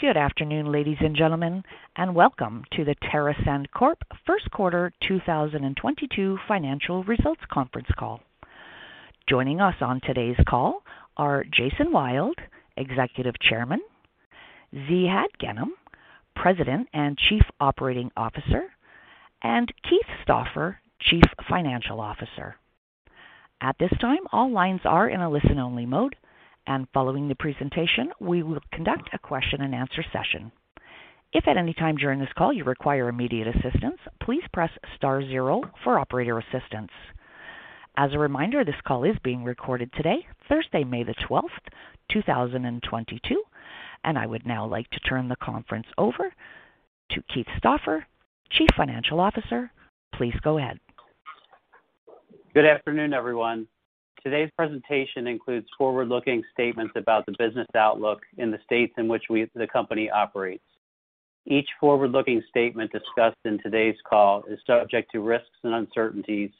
Good afternoon, Ladies and Gentlemen, and Welcome to The TerrAscend Corp. First Quarter 2022 Financial Results Conference Call. Joining us on today's call are Jason Wild, Executive Chairman, Ziad Ghanem, President and Chief Operating Officer, and Keith Stauffer, Chief Financial Officer. At this time, all lines are in a listen-only mode, and following the presentation, we will conduct a question-and-answer session. If at any time during this call you require immediate assistance, please press star zero for operator assistance. As a reminder, this call is being recorded today, Thursday, May 12, 2022. I would now like to turn the conference over to Keith Stauffer, Chief Financial Officer. Please go ahead. Good afternoon, everyone. Today's presentation includes forward-looking statements about the business outlook in the states in which we, the company operates. Each forward-looking statement discussed in today's call is subject to risks and uncertainties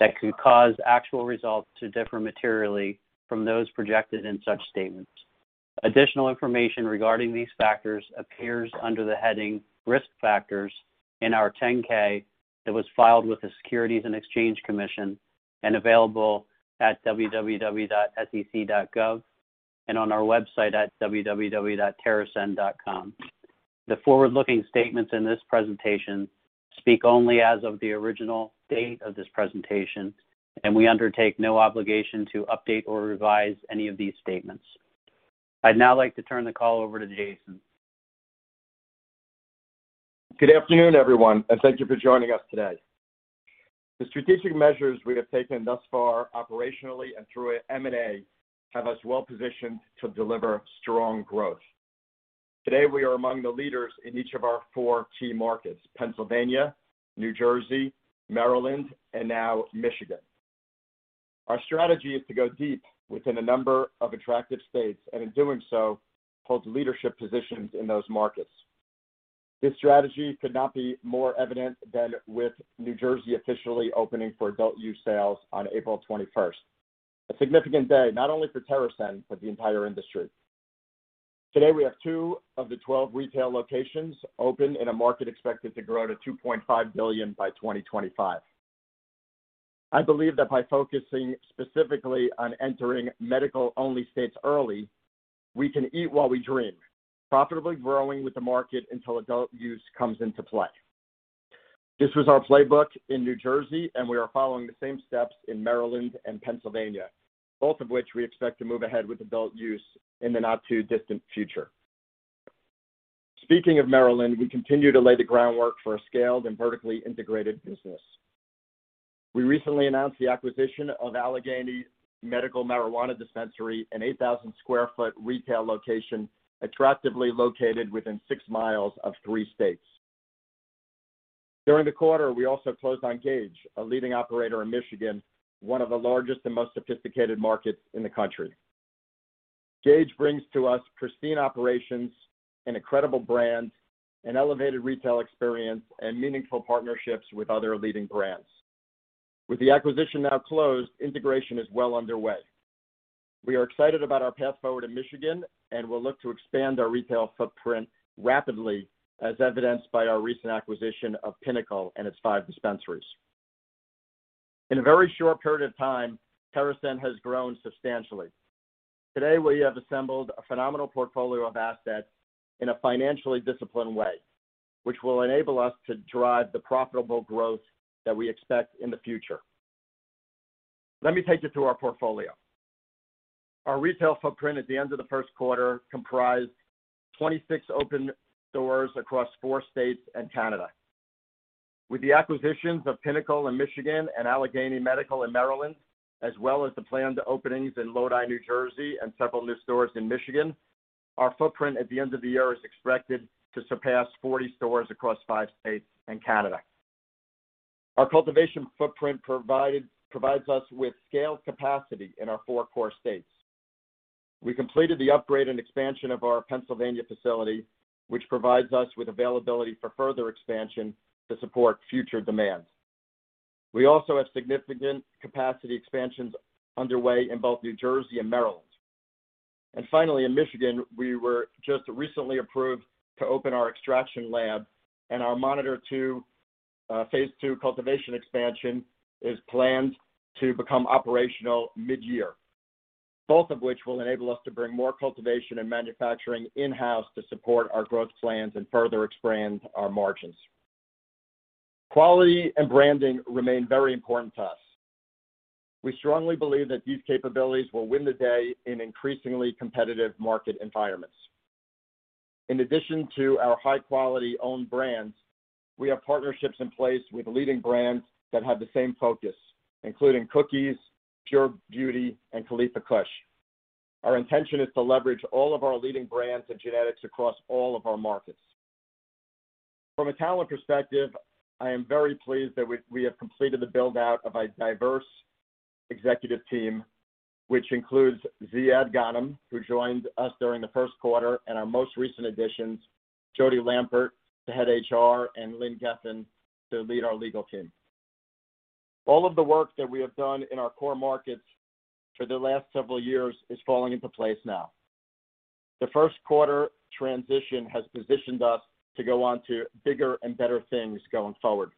that could cause actual results to differ materially from those projected in such statements. Additional information regarding these factors appears under the heading Risk Factors in our 10-K that was filed with the Securities and Exchange Commission and available at www.sec.gov and on our website at www.terrascend.com. The forward-looking statements in this presentation speak only as of the original date of this presentation, and we undertake no obligation to update or revise any of these statements. I'd now like to turn the call over to Jason. Good afternoon, everyone, and thank you for joining us today. The strategic measures we have taken thus far operationally and through M&A have us well-positioned to deliver strong growth. Today, we are among the leaders in each of our four key markets, Pennsylvania, New Jersey, Maryland, and now Michigan. Our strategy is to go deep within a number of attractive states, and in doing so, hold leadership positions in those markets. This strategy could not be more evident than with New Jersey officially opening for adult use sales on April 21st. A significant day, not only for TerrAscend, but the entire industry. Today, we have two of the 12 retail locations open in a market expected to grow to $2.5 billion by 2025. I believe that by focusing specifically on entering medical-only states early, we can eat while we dream, profitably growing with the market until adult use comes into play. This was our playbook in New Jersey, and we are following the same steps in Maryland and Pennsylvania, both of which we expect to move ahead with adult use in the not-too-distant future. Speaking of Maryland, we continue to lay the groundwork for a scaled and vertically integrated business. We recently announced the acquisition of Allegany Medical Marijuana Dispensary, an 8,000 sq ft retail location attractively located within 6 miles of three states. During the quarter, we also closed on Gage, a leading operator in Michigan, one of the largest and most sophisticated markets in the country. Gage brings to us pristine operations, an incredible brand, an elevated retail experience, and meaningful partnerships with other leading brands. With the acquisition now closed, integration is well underway. We are excited about our path forward in Michigan and will look to expand our retail footprint rapidly, as evidenced by our recent acquisition of Pinnacle and its five dispensaries. In a very short period of time, TerrAscend has grown substantially. Today, we have assembled a phenomenal portfolio of assets in a financially disciplined way, which will enable us to drive the profitable growth that we expect in the future. Let me take you through our portfolio. Our retail footprint at the end of the first quarter comprised 26 open doors across four states and Canada. With the acquisitions of Pinnacle in Michigan and Allegany Medical in Maryland, as well as the planned openings in Lodi, New Jersey, and several new stores in Michigan, our footprint at the end of the year is expected to surpass 40 stores across five states and Canada. Our cultivation footprint provides us with scaled capacity in our four core states. We completed the upgrade and expansion of our Pennsylvania facility, which provides us with availability for further expansion to support future demands. We also have significant capacity expansions underway in both New Jersey and Maryland. Finally, in Michigan, we were just recently approved to open our extraction lab and our Monitor II, phase 2 cultivation expansion is planned to become operational mid-year, both of which will enable us to bring more cultivation and manufacturing in-house to support our growth plans and further expand our margins. Quality and branding remain very important to us. We strongly believe that these capabilities will win the day in increasingly competitive market environments. In addition to our high-quality own brands, we have partnerships in place with leading brands that have the same focus, including Cookies, Pure Beauty, and Khalifa Kush. Our intention is to leverage all of our leading brands and genetics across all of our markets. From a talent perspective, I am very pleased that we have completed the build-out of a diverse executive team, which includes Ziad Ghanem, who joined us during the first quarter, and our most recent additions, Jodie Lampert to head HR and Lynn Gefen to lead our legal team. All of the work that we have done in our core markets for the last several years is falling into place now. The first quarter transition has positioned us to go on to bigger and better things going forward.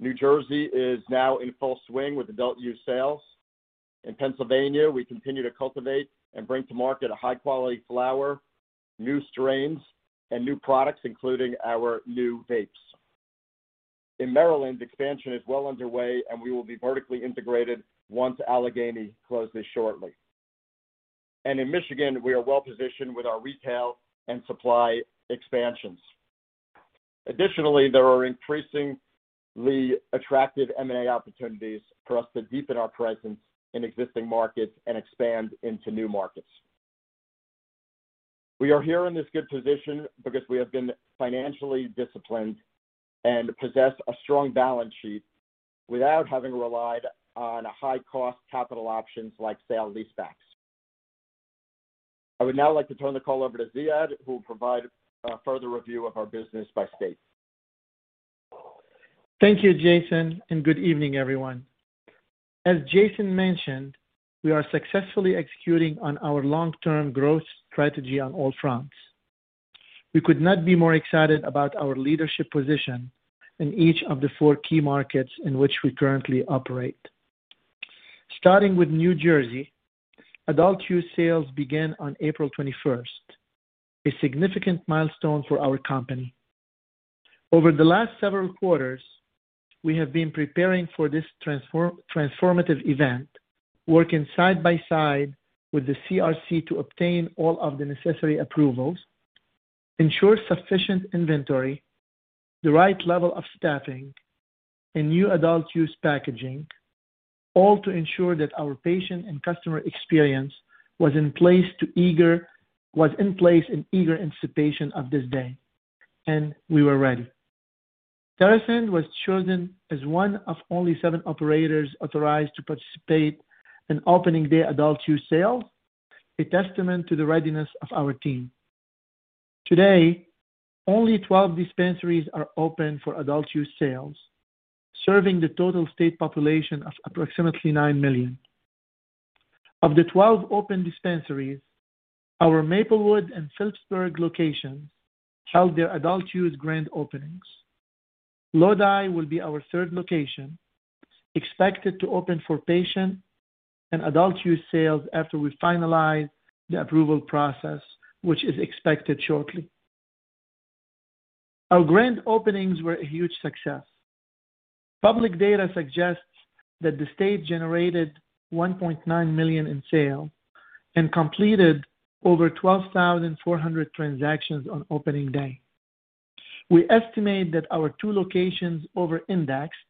New Jersey is now in full swing with adult use sales. In Pennsylvania, we continue to cultivate and bring to market a high-quality flower, new strains, and new products, including our new vapes. In Maryland, expansion is well underway, and we will be vertically integrated once Allegany closes shortly. In Michigan, we are well positioned with our retail and supply expansions. Additionally, there are increasingly attractive M&A opportunities for us to deepen our presence in existing markets and expand into new markets. We are here in this good position because we have been financially disciplined and possess a strong balance sheet without having relied on high-cost capital options like sale-leasebacks. I would now like to turn the call over to Ziad, who will provide a further review of our business by state. Thank you, Jason, and good evening, everyone. As Jason mentioned, we are successfully executing on our long-term growth strategy on all fronts. We could not be more excited about our leadership position in each of the four key markets in which we currently operate. Starting with New Jersey, adult use sales began on April 21st, a significant milestone for our company. Over the last several quarters, we have been preparing for this transformative event, working side by side with the CRC to obtain all of the necessary approvals, ensure sufficient inventory, the right level of staffing, and new adult use packaging, all to ensure that our patient and customer experience was in place in eager anticipation of this day, and we were ready. TerrAscend was chosen as one of only seven operators authorized to participate in opening their adult use sales, a testament to the readiness of our team. Today, only 12 dispensaries are open for adult use sales, serving the total state population of approximately 9 million. Of the 12 open dispensaries, our Maplewood and Phillipsburg locations held their adult use grand openings. Lodi will be our third location, expected to open for patient and adult use sales after we finalize the approval process, which is expected shortly. Our grand openings were a huge success. Public data suggests that the state generated $1.9 million in sales and completed over 12,400 transactions on opening day. We estimate that our two locations over indexed,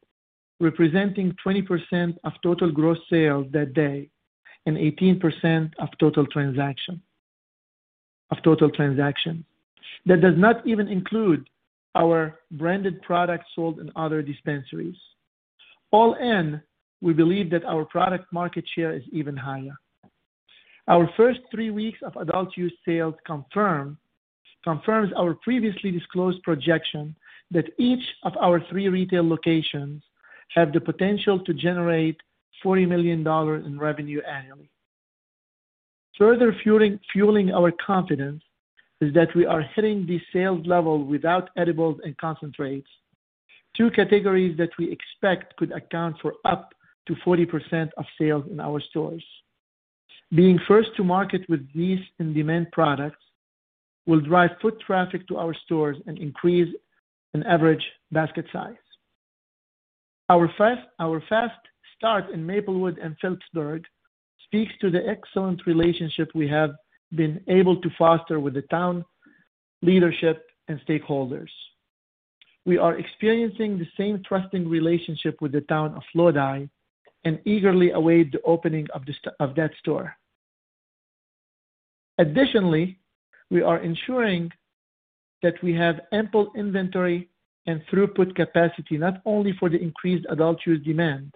representing 20% of total gross sales that day and 18% of total transactions. That does not even include our branded products sold in other dispensaries. All in, we believe that our product market share is even higher. Our first three weeks of adult use sales confirms our previously disclosed projection that each of our three retail locations have the potential to generate $40 million in revenue annually. Further fueling our confidence is that we are hitting the sales level without edibles and concentrates, two categories that we expect could account for up to 40% of sales in our stores. Being first to market with these in-demand products will drive foot traffic to our stores and increase an average basket size. Our fast start in Maplewood and Phillipsburg speaks to the excellent relationship we have been able to foster with the town, leadership, and stakeholders. We are experiencing the same trusting relationship with the town of Lodi and eagerly await the opening of the store. Additionally, we are ensuring that we have ample inventory and throughput capacity, not only for the increased adult use demand,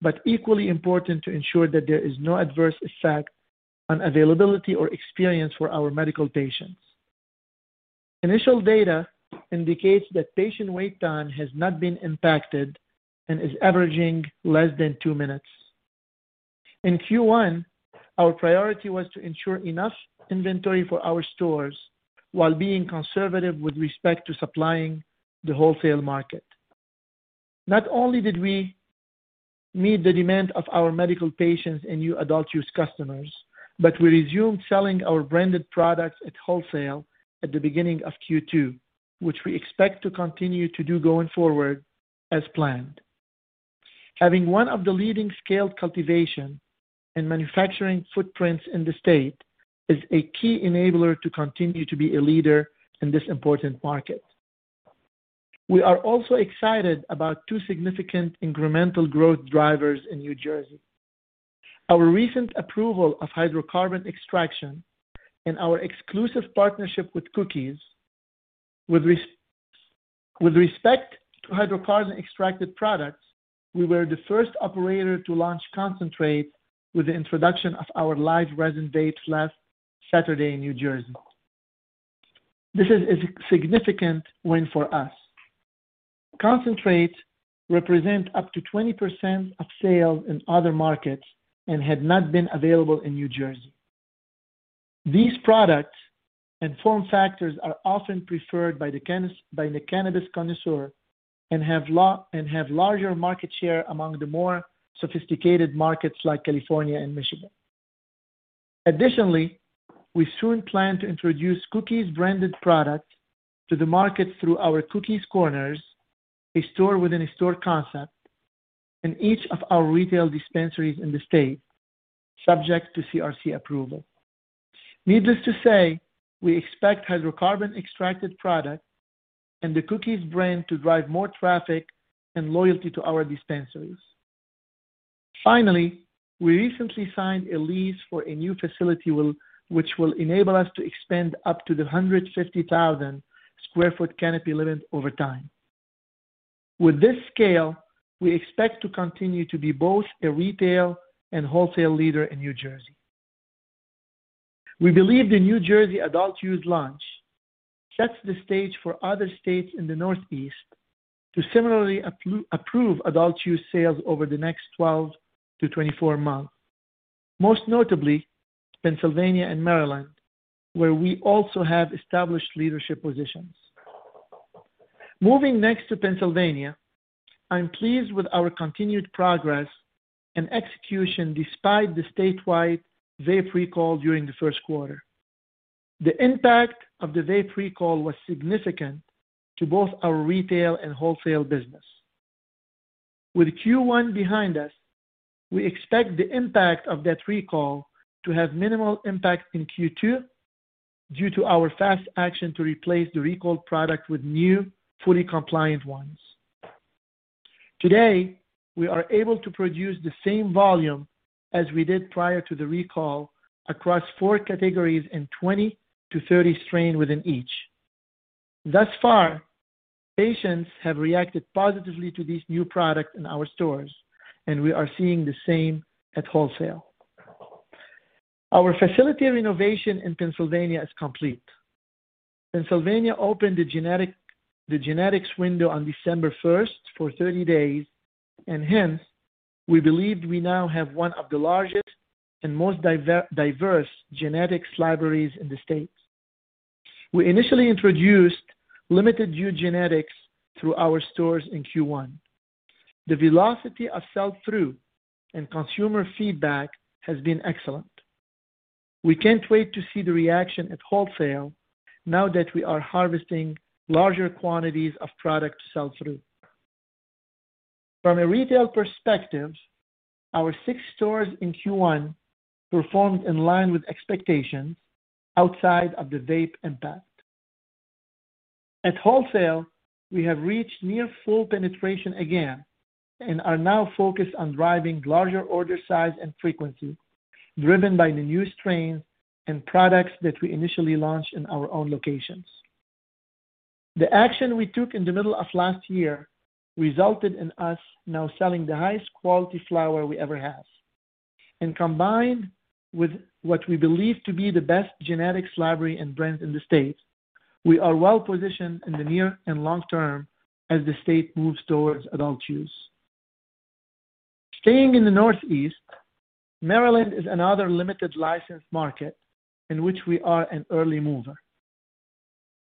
but equally important to ensure that there is no adverse effect on availability or experience for our medical patients. Initial data indicates that patient wait time has not been impacted and is averaging less than two minutes. In Q1, our priority was to ensure enough inventory for our stores while being conservative with respect to supplying the wholesale market. Not only did we meet the demand of our medical patients and new adult use customers, but we resumed selling our branded products at wholesale at the beginning of Q2, which we expect to continue to do going forward as planned. Having one of the leading scaled cultivation and manufacturing footprints in the state is a key enabler to continue to be a leader in this important market. We are also excited about two significant incremental growth drivers in New Jersey, our recent approval of hydrocarbon extraction and our exclusive partnership with Cookies. With respect to hydrocarbon extracted products, we were the first operator to launch concentrate with the introduction of our live resin dabs last Saturday in New Jersey. This is a significant win for us. Concentrates represent up to 20% of sales in other markets and had not been available in New Jersey. These products and form factors are often preferred by the cannabis connoisseur and have larger market share among the more sophisticated markets like California and Michigan. Additionally, we soon plan to introduce Cookies branded products to the market through our Cookies Corners, a store within a store concept, in each of our retail dispensaries in the state, subject to CRC approval. Needless to say, we expect hydrocarbon extracted products and the Cookies brand to drive more traffic and loyalty to our dispensaries. Finally, we recently signed a lease for a new facility which will enable us to expand up to the 150,000 sq ft canopy limit over time. With this scale, we expect to continue to be both a retail and wholesale leader in New Jersey. We believe the New Jersey adult use launch sets the stage for other states in the Northeast to similarly approve adult use sales over the next 12-24 months. Most notably, Pennsylvania and Maryland, where we also have established leadership positions. Moving next to Pennsylvania, I'm pleased with our continued progress and execution despite the statewide vape recall during the first quarter. The impact of the vape recall was significant to both our retail and wholesale business. With Q1 behind us, we expect the impact of that recall to have minimal impact in Q2 due to our fast action to replace the recalled product with new, fully compliant ones. Today, we are able to produce the same volume as we did prior to the recall across four categories and 20-30 strains within each. Thus far, patients have reacted positively to these new products in our stores, and we are seeing the same at wholesale. Our facility renovation in Pennsylvania is complete. Pennsylvania opened the genetics window on December 1st for 30 days, and hence, we believe we now have one of the largest and most diverse genetics libraries in the state. We initially introduced limited new genetics through our stores in Q1. The velocity of sell-through and consumer feedback has been excellent. We can't wait to see the reaction at wholesale now that we are harvesting larger quantities of product to sell through. From a retail perspective, our six stores in Q1 performed in line with expectations outside of the vape impact. At wholesale, we have reached near full penetration again and are now focused on driving larger order size and frequency, driven by the new strains and products that we initially launched in our own locations. The action we took in the middle of last year resulted in us now selling the highest quality flower we ever have. Combined with what we believe to be the best genetics library and brand in the state, we are well positioned in the near and long term as the state moves towards adult use. Staying in the Northeast, Maryland is another limited license market in which we are an early mover.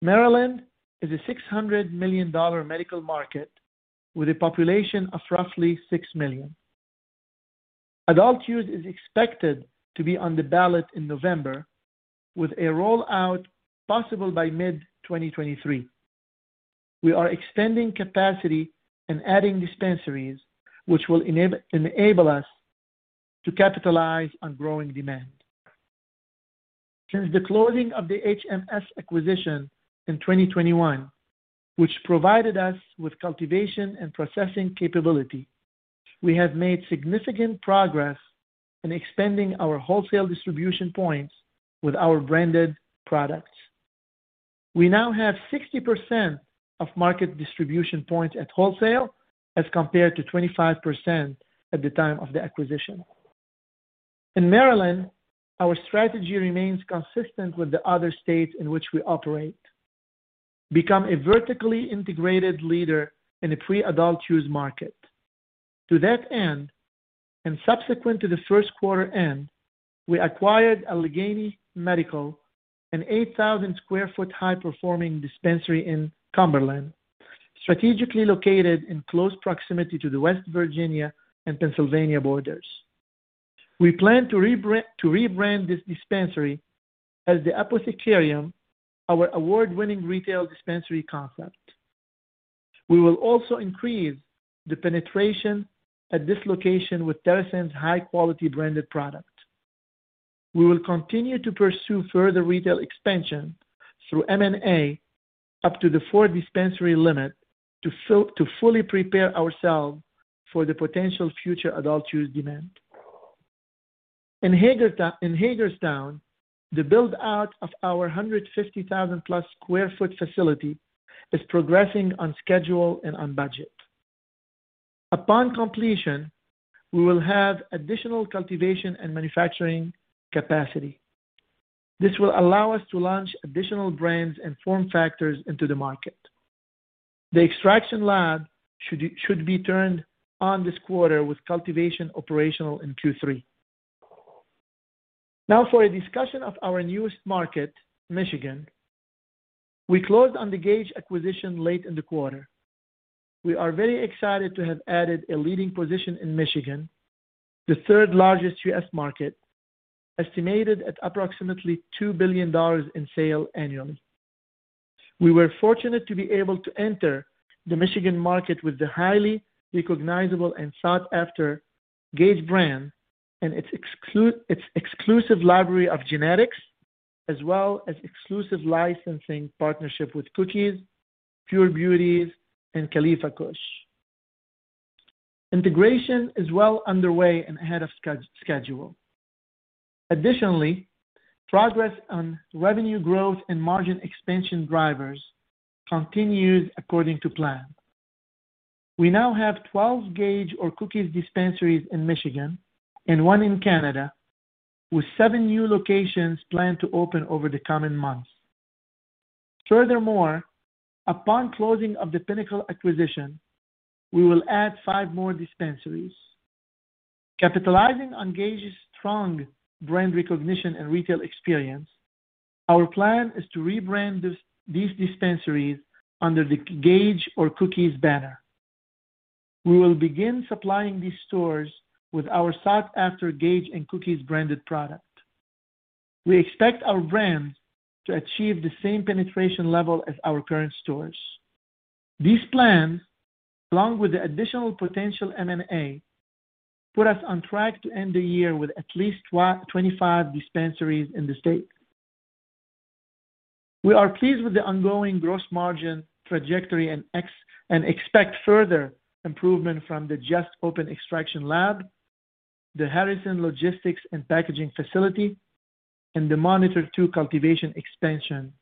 Maryland is a $600 million medical market with a population of roughly 6 million. Adult use is expected to be on the ballot in November, with a rollout possible by mid-2023. We are extending capacity and adding dispensaries, which will enable us to capitalize on growing demand. Since the closing of the HMS acquisition in 2021, which provided us with cultivation and processing capability, we have made significant progress in expanding our wholesale distribution points with our branded products. We now have 60% of market distribution points at wholesale as compared to 25% at the time of the acquisition. In Maryland, our strategy remains consistent with the other states in which we operate. Become a vertically integrated leader in a pre-adult use market. To that end, and subsequent to the first quarter end, we acquired Allegany Medical, an 8,000 sq ft high-performing dispensary in Cumberland, strategically located in close proximity to the West Virginia and Pennsylvania borders. We plan to rebrand this dispensary as the Apothecarium, our award-winning retail dispensary concept. We will also increase the penetration at this location with TerrAscend's high-quality branded product. We will continue to pursue further retail expansion through M&A up to the 4 dispensary limit to fully prepare ourselves for the potential future adult use demand. In Hagerstown, the build-out of our 150,000+ sq ft facility is progressing on schedule and on budget. Upon completion, we will have additional cultivation and manufacturing capacity. This will allow us to launch additional brands and form factors into the market. The extraction lab should be turned on this quarter with cultivation operational in Q3. Now, for a discussion of our newest market, Michigan. We closed on the Gage acquisition late in the quarter. We are very excited to have added a leading position in Michigan, the third-largest U.S. market, estimated at approximately $2 billion in sales annually. We were fortunate to be able to enter the Michigan market with the highly recognizable and sought-after Gage brand and its exclusive library of genetics, as well as exclusive licensing partnership with Cookies, Pure Beauty, and Khalifa Kush. Integration is well underway and ahead of schedule. Additionally, progress on revenue growth and margin expansion drivers continues according to plan. We now have 12 Gage or Cookies dispensaries in Michigan and one in Canada, with seven new locations planned to open over the coming months. Furthermore, upon closing of the Pinnacle acquisition, we will add five more dispensaries. Capitalizing on Gage's strong brand recognition and retail experience, our plan is to rebrand this, these dispensaries under the Gage or Cookies banner. We will begin supplying these stores with our sought-after Gage and Cookies branded product. We expect our brands to achieve the same penetration level as our current stores. These plans, along with the additional potential M&A, put us on track to end the year with at least 25 dispensaries in the state. We are pleased with the ongoing gross margin trajectory and expect further improvement from the just-opened extraction lab, the Harrison logistics and packaging facility, and the Monitor II cultivation expansion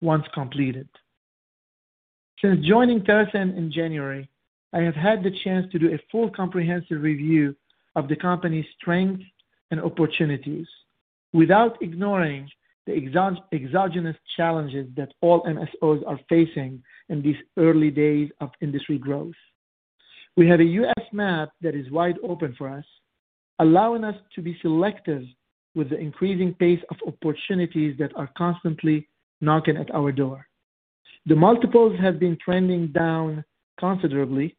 once completed. Since joining TerrAscend in January, I have had the chance to do a full comprehensive review of the company's strengths and opportunities without ignoring the exogenous challenges that all MSOs are facing in these early days of industry growth. We have a U.S. map that is wide open for us, allowing us to be selective with the increasing pace of opportunities that are constantly knocking at our door. The multiples have been trending down considerably,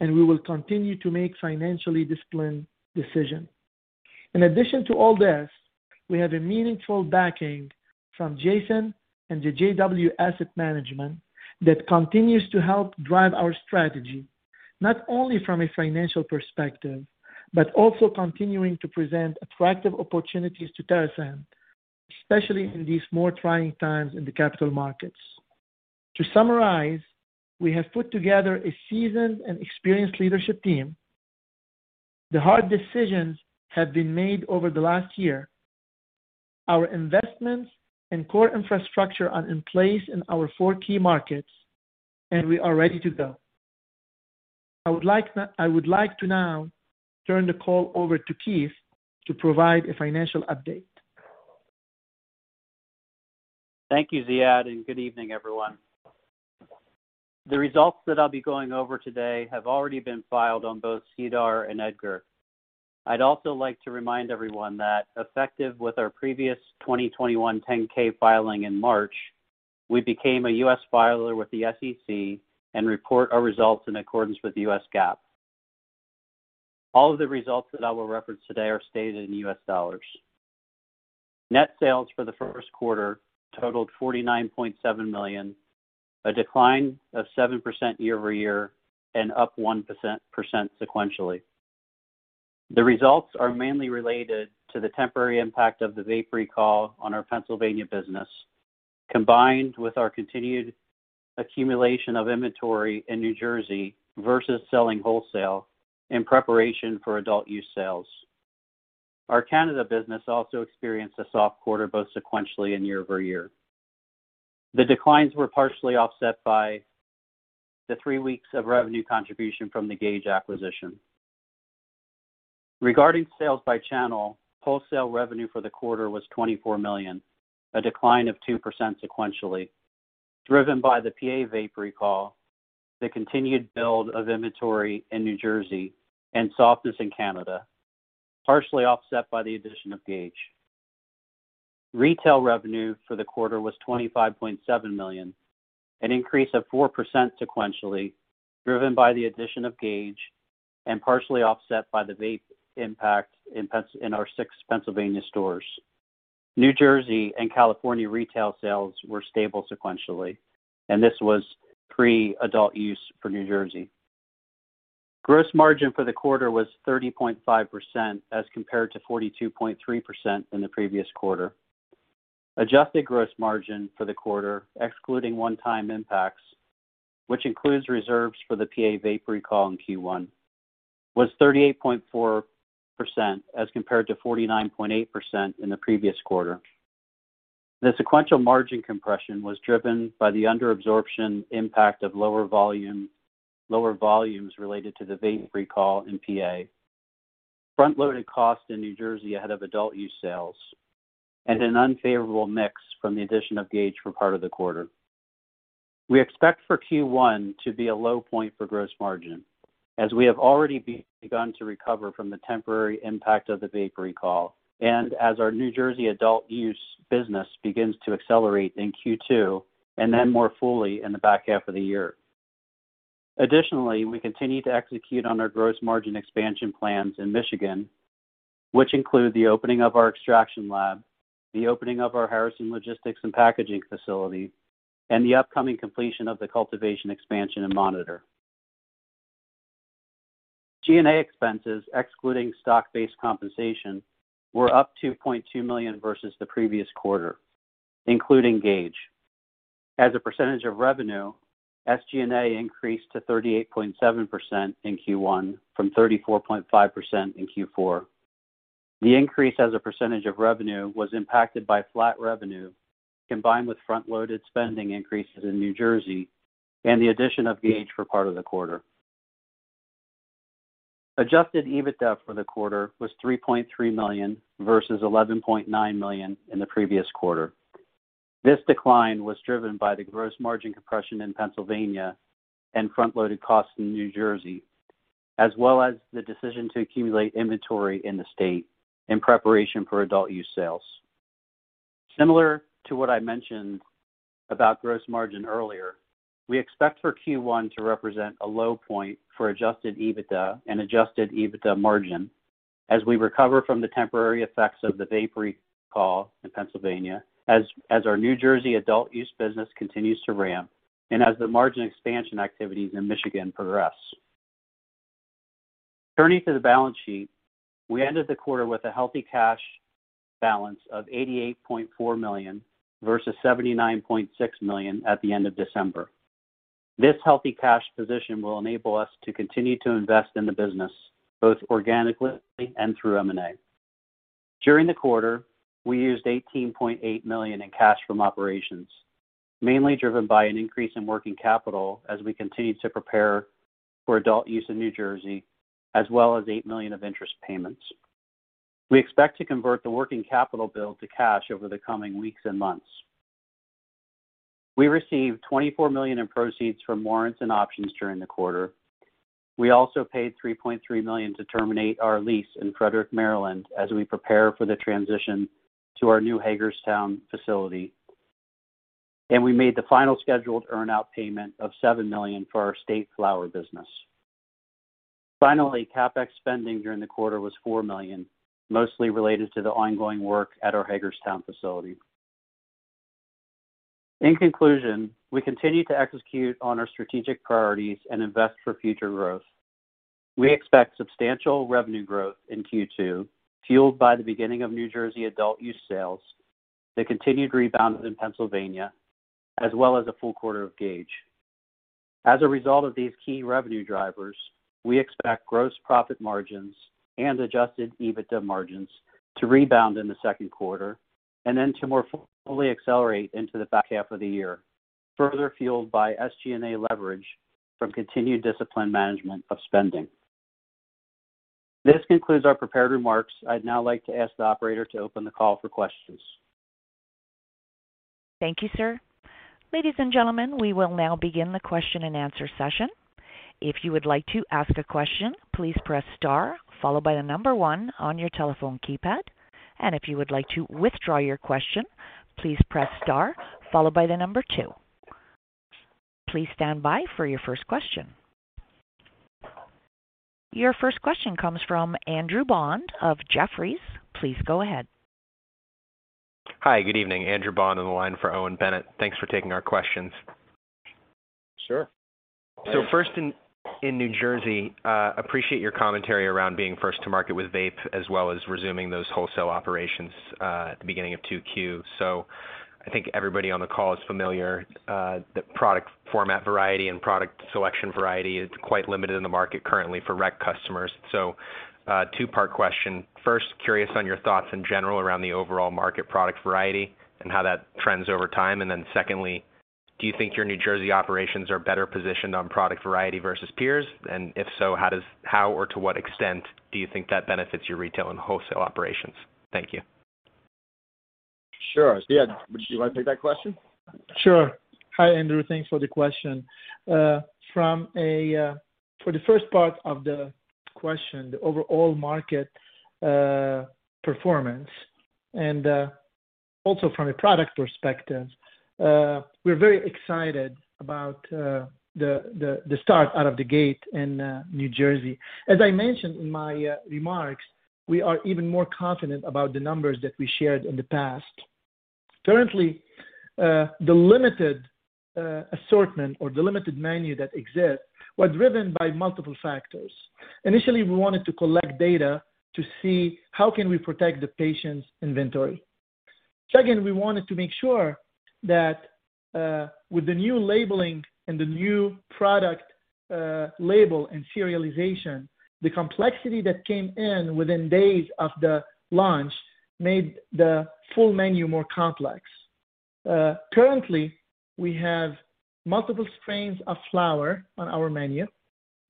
and we will continue to make financially disciplined decisions. In addition to all this, we have a meaningful backing from Jason and the JW Asset Management that continues to help drive our strategy, not only from a financial perspective, but also continuing to present attractive opportunities to TerrAscend, especially in these more trying times in the capital markets. To summarize, we have put together a seasoned and experienced leadership team. The hard decisions have been made over the last year. Our Investments and Core Infrastructure are in place in our four key markets, and we are ready to go. I would like to now turn the call over to Keith to provide a financial update. Thank you, Ziad, and good evening, everyone. The results that I'll be going over today have already been filed on both SEDAR and EDGAR. I'd also like to remind everyone that effective with our previous 2021 10-K filing in March, we became a U.S. filer with the SEC and report our results in accordance with US GAAP. All of the results that I will reference today are stated in U.S dollars. Net sales for the first quarter totaled $49.7 million, a decline of 7% year-over-year and up 1% sequentially. The results are mainly related to the temporary impact of the vape recall on our Pennsylvania business, combined with our continued accumulation of inventory in New Jersey versus selling wholesale in preparation for adult use sales. Our Canada business also experienced a soft quarter, both sequentially and year-over-year. The declines were partially offset by the three weeks of revenue contribution from the Gage acquisition. Regarding sales by channel, wholesale revenue for the quarter was $24 million, a decline of 2% sequentially, driven by the PA vape recall, the continued build of inventory in New Jersey and softness in Canada, partially offset by the addition of Gage. Retail revenue for the quarter was $25.7 million, an increase of 4% sequentially, driven by the addition of Gage and partially offset by the vape impact in our six Pennsylvania stores. New Jersey and California retail sales were stable sequentially, and this was pre-adult use for New Jersey. Gross margin for the quarter was 30.5% as compared to 42.3% in the previous quarter. Adjusted gross margin for the quarter, excluding one-time impacts, which includes reserves for the PA vape recall in Q1, was 38.4% as compared to 49.8% in the previous quarter. The sequential margin compression was driven by the under absorption impact of lower volumes related to the vape recall in PA. Front-loaded costs in New Jersey ahead of adult use sales and an unfavorable mix from the addition of Gage for part of the quarter. We expect for Q1 to be a low point for gross margin as we have already begun to recover from the temporary impact of the vape recall and as our New Jersey adult use business begins to accelerate in Q2 and then more fully in the back half of the year. We continue to execute on our gross margin expansion plans in Michigan, which include the opening of our extraction lab, the opening of our Harrison logistics and packaging facility, and the upcoming completion of the cultivation expansion in Monitor. G&A expenses excluding stock-based compensation were up $2.2 million versus the previous quarter, including Gage. As a percentage of revenue, SG&A increased to 38.7% in Q1 from 34.5% in Q4. The increase as a percentage of revenue was impacted by flat revenue, combined with front-loaded spending increases in New Jersey and the addition of Gage for part of the quarter. Adjusted EBITDA for the quarter was $3.3 million versus $11.9 million in the previous quarter. This decline was driven by the gross margin compression in Pennsylvania and front-loaded costs in New Jersey, as well as the decision to accumulate inventory in the state in preparation for adult use sales. Similar to what I mentioned about gross margin earlier, we expect for Q1 to represent a low point for adjusted EBITDA and adjusted EBITDA margin as we recover from the temporary effects of the vape recall in Pennsylvania, as our New Jersey adult use business continues to ramp and as the margin expansion activities in Michigan progress. Turning to the balance sheet, we ended the quarter with a healthy cash balance of $88.4 million versus $79.6 million at the end of December. This healthy cash position will enable us to continue to invest in the business, both organically and through M&A. During the quarter, we used $18.8 million in cash from operations, mainly driven by an increase in working capital as we continued to prepare for adult use in New Jersey, as well as $8 million of interest payments. We expect to convert the working capital build to cash over the coming weeks and months. We received $24 million in proceeds from warrants and options during the quarter. We also paid $3.3 million to terminate our lease in Frederick, Maryland, as we prepare for the transition to our new Hagerstown facility. We made the final scheduled earnout payment of $7 million for our State Flower business. Finally, CapEx spending during the quarter was $4 million, mostly related to the ongoing work at our Hagerstown facility. In conclusion, we continue to execute on our strategic priorities and invest for future growth. We expect substantial revenue growth in Q2, fueled by the beginning of New Jersey adult use sales, the continued rebound in Pennsylvania, as well as a full quarter of Gage. As a result of these key revenue drivers, we expect gross profit margins and adjusted EBITDA margins to rebound in the second quarter and then to more fully accelerate into the back half of the year, further fueled by SG&A leverage from continued disciplined management of spending. This concludes our prepared remarks. I'd now like to ask the operator to open the call for questions. Thank you, sir. Ladies and gentlemen, we will now begin the question-and-answer session. If you would like to ask a question, please press star followed by the number one on your telephone keypad. If you would like to withdraw your question, please press star followed by the number two. Please stand by for your first question. Your first question comes from Andrew Bond of Jefferies. Please go ahead. Hi, Good evening. Andrew Bond on the line for Owen Bennett. Thanks for taking our questions. Sure. First in New Jersey, appreciate your commentary around being first to market with vape as well as resuming those wholesale operations at the beginning of 2Q. I think everybody on the call is familiar that product format variety and product selection variety is quite limited in the market currently for rec customers. Two-part question. First, curious on your thoughts in general around the overall market product variety and how that trends over time. Then secondly, do you think your New Jersey operations are better positioned on product variety versus peers? And if so, how or to what extent do you think that benefits your retail and wholesale operations? Thank you. Sure. Ziad, would you like to take that question? Sure. Hi, Andrew. Thanks for the question. For the first part of the question, the overall market performance and also from a product perspective, we're very excited about the start out of the gate in New Jersey. As I mentioned in my remarks, we are even more confident about the numbers that we shared in the past. Currently, the limited assortment or the limited menu that exists was driven by multiple factors. Initially, we wanted to collect data to see how can we protect the patient's inventory. Second, we wanted to make sure that with the new labeling and the new product label and serialization, the complexity that came in within days of the launch made the full menu more complex. Currently, we have multiple strains of flower on our menu.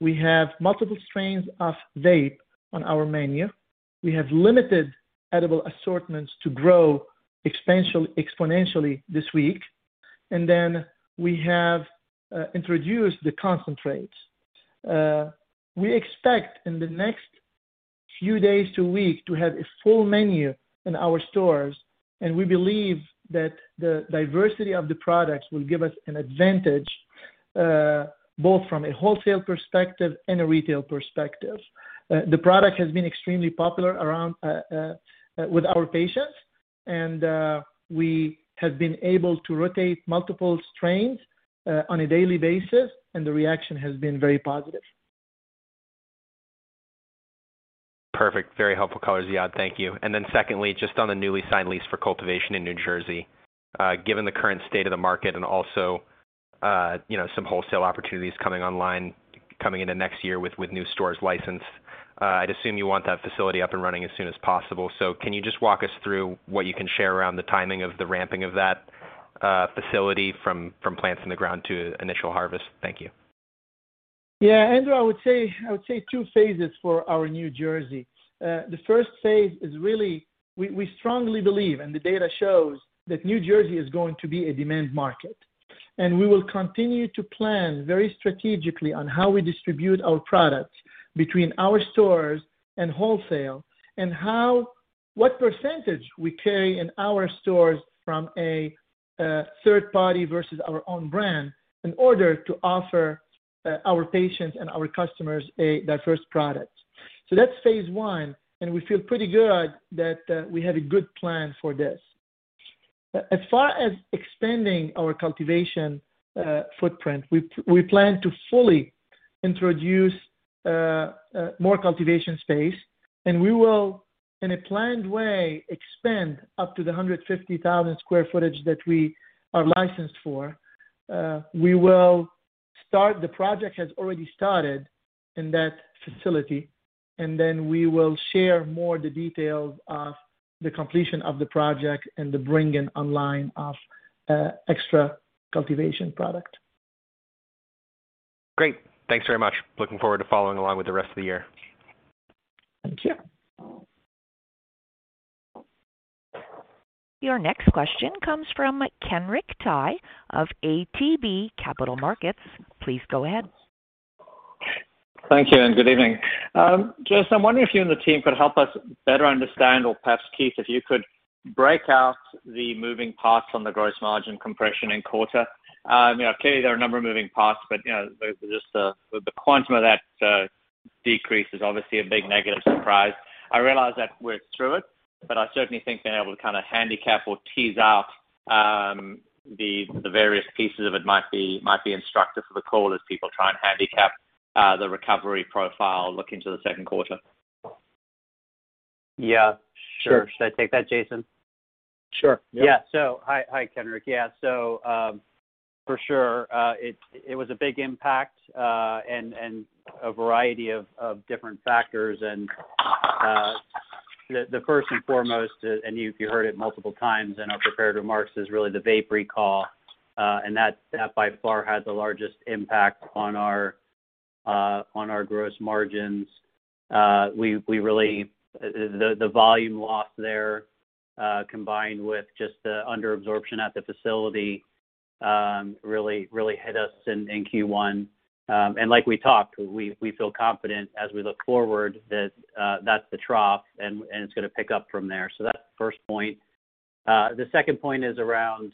We have multiple strains of vape on our menu. We have limited edible assortments to grow expansion exponentially this week. We have introduced the concentrates. We expect in the next few days to week to have a full menu in our stores, and we believe that the diversity of the products will give us an advantage both from a wholesale perspective and a retail perspective. The product has been extremely popular around with our patients, and we have been able to rotate multiple strains on a daily basis, and the reaction has been very positive. Perfect. Very helpful, Ziad. Thank you. Secondly, just on the newly signed lease for cultivation in New Jersey. Given the current state of the market and also, you know, some wholesale opportunities coming online into next year with new stores licensed, I'd assume you want that facility up and running as soon as possible. Can you just walk us through what you can share around the timing of the ramping of that facility from plants in the ground to initial harvest? Thank you. Yeah, Andrew, I would say two phases for our New Jersey. The first phase is really, we strongly believe, and the data shows that New Jersey is going to be a demand market. We will continue to plan very strategically on how we distribute our products between our stores and wholesale, and what percentage we carry in our stores from a third party versus our own brand in order to offer our patients and our customers a diverse product. That's phase one, and we feel pretty good that we have a good plan for this. As far as expanding our cultivation footprint, we plan to fully introduce more cultivation space, and we will, in a planned way, expand up to 150,000 sq ft that we are licensed for. We will start. The project has already started in that facility, and then we will share more the details of the completion of the project and the bringing online of extra cultivation product. Great. Thanks very much. Looking forward to following along with the rest of the year. Thank you. Your next question comes from Kenric Tyghe of ATB Capital Markets. Please go ahead. Thank you, and Good evening. Just I'm wondering if you and the team could help us better understand, or perhaps, Keith, if you could break out the moving parts on the gross margin compression in quarter. You know, clearly there are a number of moving parts, but, you know, just the quantum of that decrease is obviously a big negative surprise. I realize that we're through it, but I certainly think being able to kind of handicap or tease out the various pieces of it might be instructive for the call as people try and handicap the recovery profile looking to the second quarter. Yeah, sure. Should I take that, Jason? Sure. Hi, Kenric. For sure, it was a big impact and a variety of different factors. The first and foremost, you've heard it multiple times in our prepared remarks, is really the vape recall, and that by far had the largest impact on our gross margins. The volume loss there, combined with just the under absorption at the facility, really hit us in Q1. Like we talked, we feel confident as we look forward that that's the trough and it's gonna pick up from there. That's the first point. The second point is around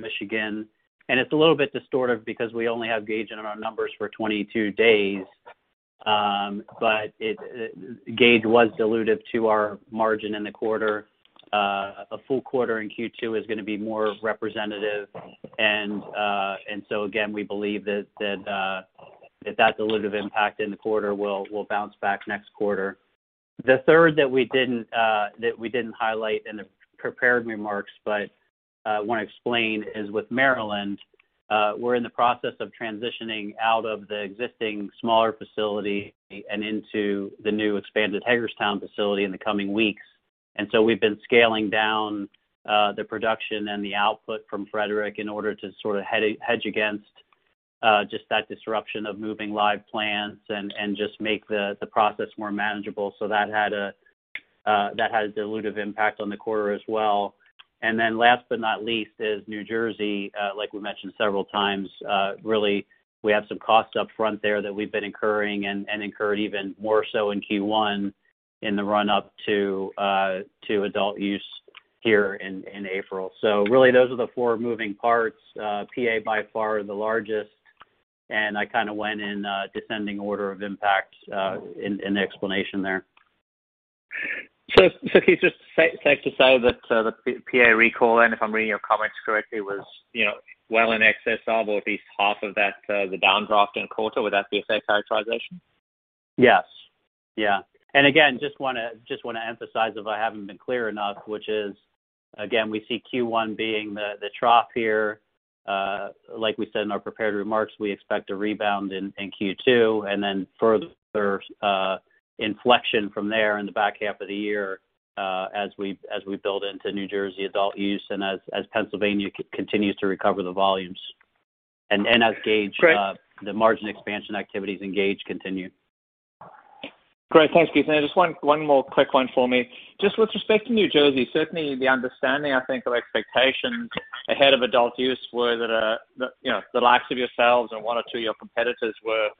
Michigan, and it's a little bit distortive because we only have Gage in our numbers for 22 days. Gage was dilutive to our margin in the quarter. A full quarter in Q2 is gonna be more representative. We believe that dilutive impact in the quarter will bounce back next quarter. The third that we didn't highlight in the prepared remarks, but want to explain is with Maryland. We're in the process of transitioning out of the existing smaller facility and into the new expanded Hagerstown facility in the coming weeks. We've been scaling down the production and the output from Frederick in order to sort of hedge against just that disruption of moving live plants and just make the process more manageable. That had a dilutive impact on the quarter as well. Last but not least is New Jersey, like we mentioned several times, really we have some costs up front there that we've been incurring and incurred even more so in Q1 in the run-up to adult use here in April. Really, those are the four moving parts. PA by far the largest. I kind of went in descending order of impact in the explanation there. Keith, just safe to say that the PA recall, and if I'm reading your comments correctly, was, you know, well in excess of or at least half of that, the downdraft in quarter, would that be a fair characterization? Yes. Yeah. Again, just wanna emphasize if I haven't been clear enough, which is, again, we see Q1 being the trough here. Like we said in our prepared remarks, we expect a rebound in Q2, and then further inflection from there in the back half of the year, as we build into New Jersey adult use and as Pennsylvania continues to recover the volumes. Then as Gage- Great. The margin expansion activities in Gage continue. Great. Thanks, Keith. Just one more quick one for me. Just with respect to New Jersey, certainly the understanding, I think, of expectations ahead of adult use were that that you know the likes of yourselves and one or two of your competitors were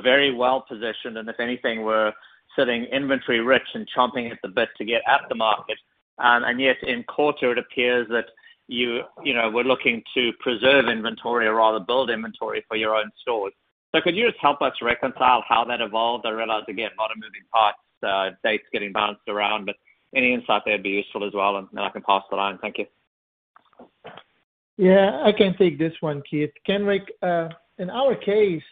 very well-positioned, and if anything, were sitting inventory rich and chomping at the bit to get at the market. And yet in quarter, it appears that you know you were looking to preserve inventory or rather build inventory for your own stores. So could you just help us reconcile how that evolved? I realize, again, a lot of moving parts, dates getting bounced around, but any insight there would be useful as well, and then I can pass it on. Thank you. Yeah, I can take this one, Keith. Kenrick, in our case,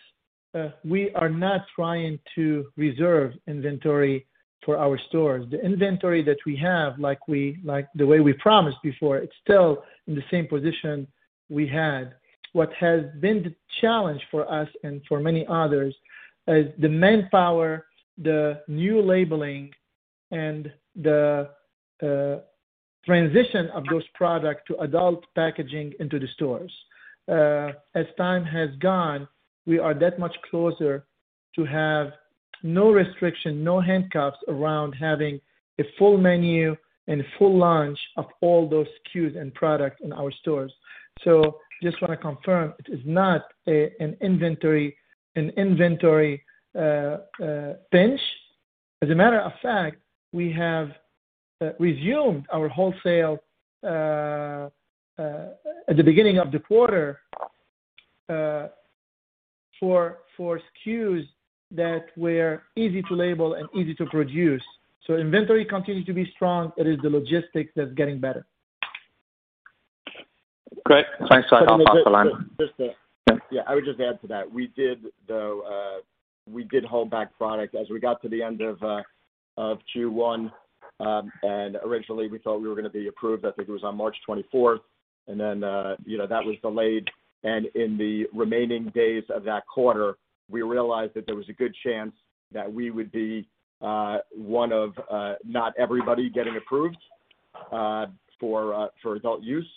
we are not trying to reserve inventory for our stores. The inventory that we have, like the way we promised before, it's still in the same position we had. What has been the challenge for us and for many others is the manpower, the new labeling, and the transition of those product to adult packaging into the stores. As time has gone, we are that much closer to have no restriction, no handcuffs around having a full menu and full launch of all those SKUs and product in our stores. Just wanna confirm, it is not an inventory pinch. As a matter of fact, we have resumed our wholesale at the beginning of the quarter for SKUs that were easy to label and easy to produce. Inventory continues to be strong. It is the logistics that's getting better. Great. Thanks. I'll pass it along. Just to Yeah. Yeah. I would just add to that. We did, though, hold back product as we got to the end of Q1, and originally we thought we were gonna be approved, I think it was on March twenty-fourth, and then, you know, that was delayed. In the remaining days of that quarter, we realized that there was a good chance that we would be one of not everybody getting approved for adult use.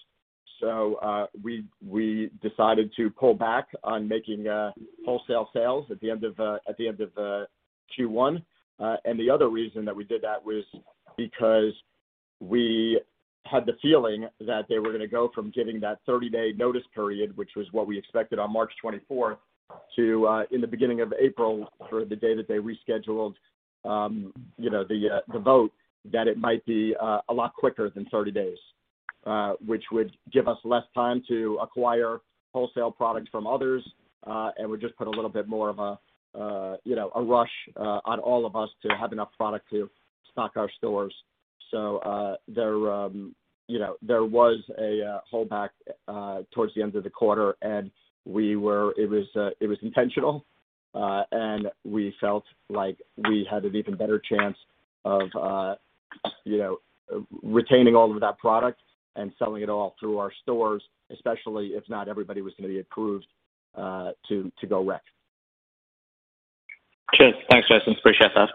We decided to pull back on making wholesale sales at the end of Q1. The other reason that we did that was because we had the feeling that they were gonna go from giving that 30 day notice period, which was what we expected on March 24th, to in the beginning of April for the day that they rescheduled, you know, the vote, that it might be a lot quicker than 30 days, which would give us less time to acquire wholesale product from others, and would just put a little bit more of a, you know, a rush on all of us to have enough product to stock our stores. You know, there was a holdback towards the end of the quarter, and it was intentional. We felt like we had an even better chance of, you know, retaining all of that product and selling it all through our stores, especially if not everybody was gonna be approved to go rec. Sure. Thanks, Jason. Appreciate that.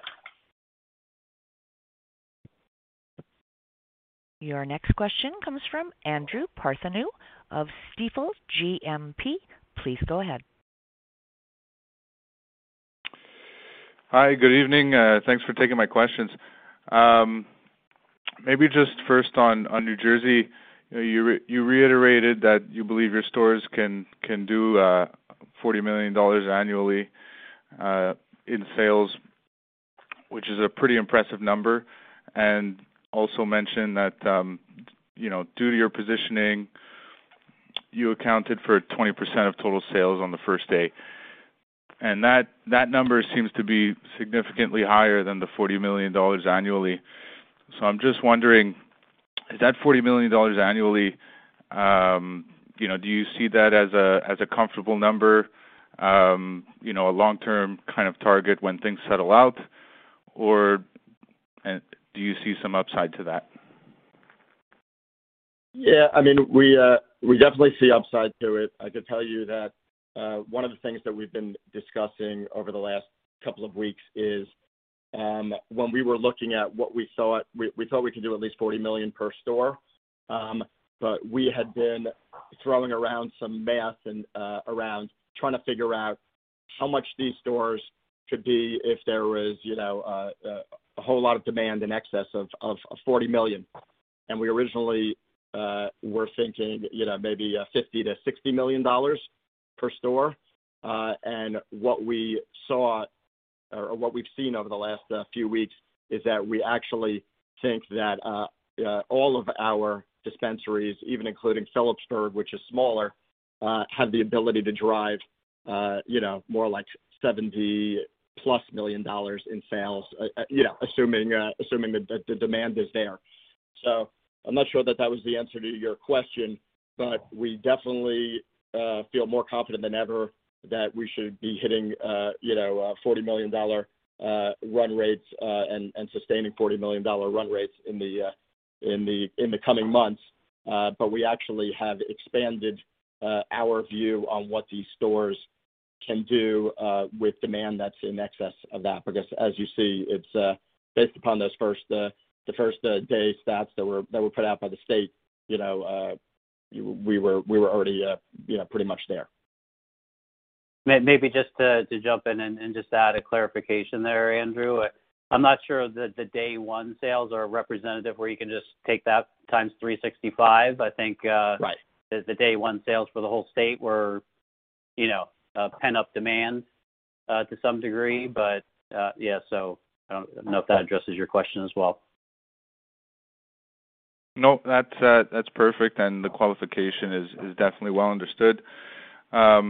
Your next question comes from Andrew Partheniou of Stifel GMP. Please go ahead. Hi, good evening. Thanks for taking my questions. Maybe just first on New Jersey. You reiterated that you believe your stores can do $40 million annually in sales, which is a pretty impressive number. Also mentioned that, you know, due to your positioning, you accounted for 20% of total sales on the first day. That number seems to be significantly higher than the $40 million annually. I'm just wondering, is that $40 million annually, you know, do you see that as a comfortable number, a long-term kind of target when things settle out? Or do you see some upside to that? Yeah. I mean, we definitely see upside to it. I could tell you that one of the things that we've been discussing over the last couple of weeks is when we were looking at what we thought we could do at least $40 million per store. But we had been throwing around some math and around trying to figure out how much these stores could be if there was, you know, a whole lot of demand in excess of $40 million. We originally were thinking, you know, maybe $50 million-$60 million per store. What we've seen over the last few weeks is that we actually think that all of our dispensaries, even including Phillipsburg, which is smaller, have the ability to drive, you know, more like $70+ million in sales, you know, assuming that the demand is there. I'm not sure that was the answer to your question, but we definitely feel more confident than ever that we should be hitting, you know, $40 million run rates and sustaining $40 million run rates in the coming months. We actually have expanded our view on what these stores can do with demand that's in excess of that. Because as you see, it's based upon those first day stats that were put out by the state, you know, we were already, you know, pretty much there. Maybe just to jump in and just add a clarification there, Andrew. I'm not sure that the day one sales are representative where you can just take that times 365. I think. Right The day one sales for the whole state were, you know, pent-up demand to some degree. Yeah, so I don't know if that addresses your question as well. Nope. That's perfect, and the qualification is definitely well understood. Yeah.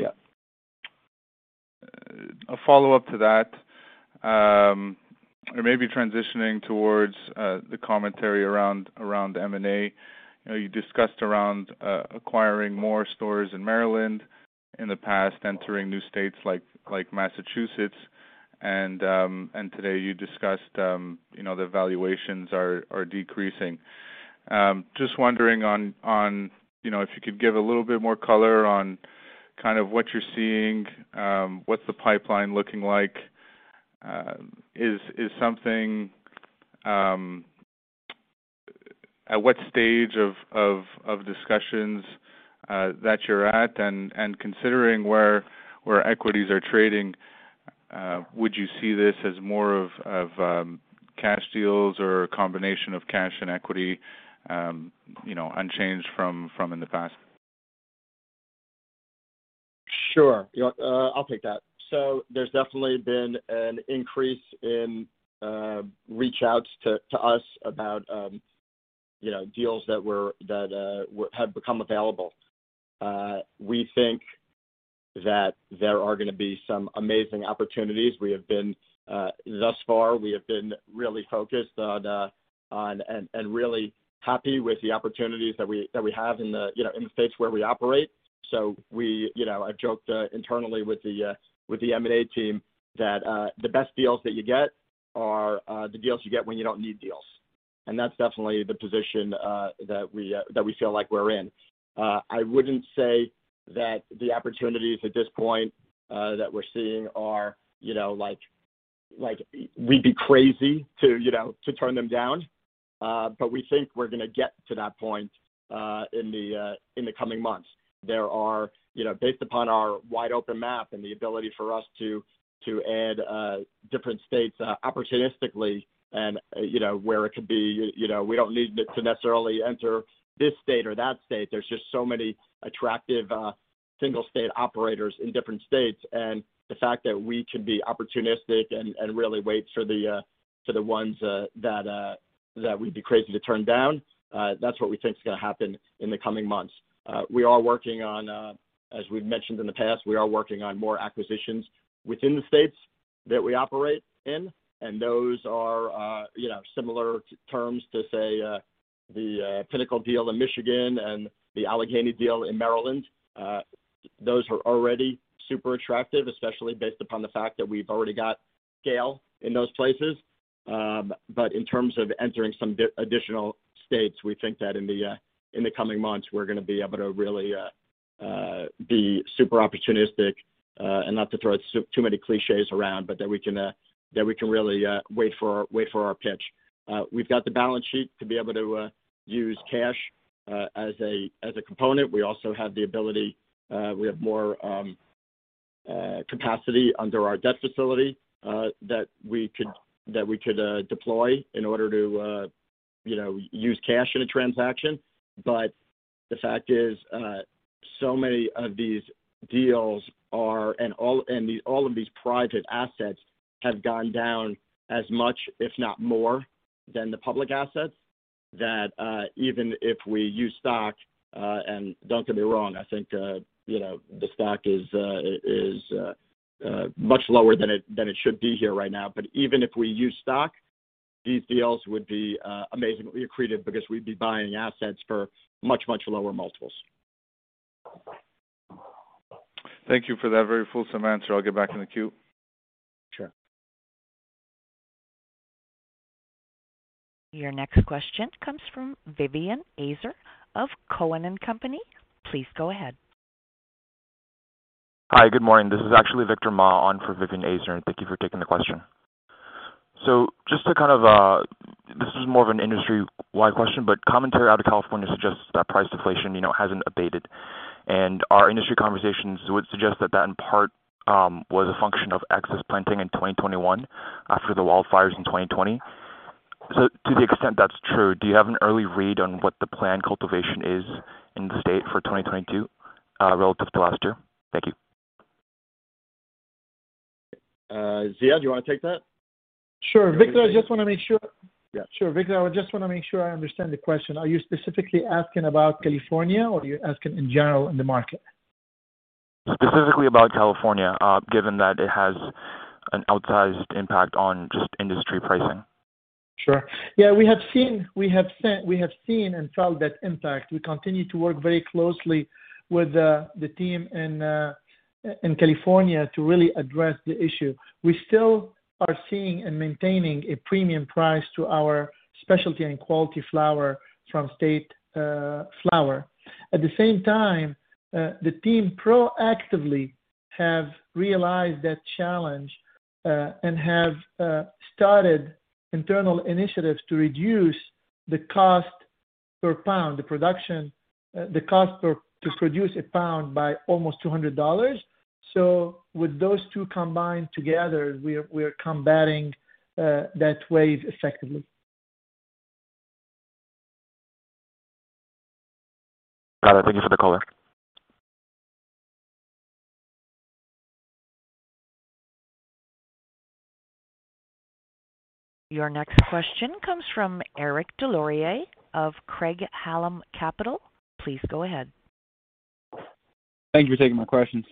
A follow-up to that, or maybe transitioning towards the commentary around M&A. You know, you discussed around acquiring more stores in Maryland in the past, entering new states like Massachusetts, and today you discussed, you know, the valuations are decreasing. Just wondering on, you know, if you could give a little bit more color on kind of what you're seeing, what's the pipeline looking like? At what stage of discussions that you're at and, considering where equities are trading, would you see this as more of cash deals or a combination of cash and equity, you know, unchanged from in the past? Sure. You know what? I'll take that. There's definitely been an increase in reach-outs to us about, you know, deals that had become available. We think that there are gonna be some amazing opportunities. We have been thus far really focused on and really happy with the opportunities that we have in, you know, in the states where we operate. We, you know, I've joked internally with the M&A team that the best deals that you get are the deals you get when you don't need deals. That's definitely the position that we feel like we're in. I wouldn't say that the opportunities at this point that we're seeing are, you know, like we'd be crazy to turn them down. But we think we're gonna get to that point in the coming months. There are, you know, based upon our wide-open map and the ability for us to add different states opportunistically and, you know, where it could be, you know, we don't need to necessarily enter this state or that state. There's just so many attractive single state operators in different states. The fact that we could be opportunistic and really wait for the ones that we'd be crazy to turn down, that's what we think is gonna happen in the coming months. We are working on, as we've mentioned in the past, we are working on more acquisitions within the states that we operate in, and those are, you know, similar terms to say, the Pinnacle deal in Michigan and the Allegany deal in Maryland. Those are already super attractive, especially based upon the fact that we've already got scale in those places. In terms of entering some additional states, we think that in the coming months, we're gonna be able to really be super opportunistic, and not to throw too many clichés around, but that we can really wait for our pitch. We've got the balance sheet to be able to use cash as a component. We also have the ability, we have more capacity under our debt facility that we could deploy in order to, you know, use cash in a transaction. The fact is, so many of these deals are, and all of these private assets have gone down as much, if not more than the public assets, that even if we use stock, and don't get me wrong, I think, you know, the stock is much lower than it should be here right now. Even if we use stock, these deals would be amazingly accretive because we'd be buying assets for much, much lower multiples. Thank you for that very fulsome answer. I'll get back in the queue. Sure. Your next question comes from Vivien Azer of Cowen and Company. Please go ahead. Hi. Good morning. This is actually Victor Ma on for Vivien Azer, and thank you for taking the question. Just to kind of, this is more of an industry-wide question, but commentary out of California suggests that price deflation, you know, hasn't abated. Our industry conversations would suggest that in part was a function of excess planting in 2021 after the wildfires in 2020. To the extent that's true, do you have an early read on what the plant cultivation is in the state for 2022, relative to last year? Thank you. Ziad, do you wanna take that? Sure. Victor, I just wanna make sure. Yeah. Sure. Victor, I just wanna make sure I understand the question. Are you specifically asking about California, or are you asking in general in the market? Specifically about California, given that it has an outsized impact on just industry pricing. Sure. Yeah, we have seen and felt that impact. We continue to work very closely with the team in California to really address the issue. We still are seeing and maintaining a premium price to our specialty and quality flower from State Flower. At the same time, the team proactively have realized that challenge and have started internal initiatives to reduce the cost per pound to produce a pound by almost $200. With those two combined together, we are combating that wave effectively. Got it. Thank you for the color. Your next question comes from Eric Des Lauriers of Craig-Hallum Capital. Please go ahead. Thank you for taking my questions.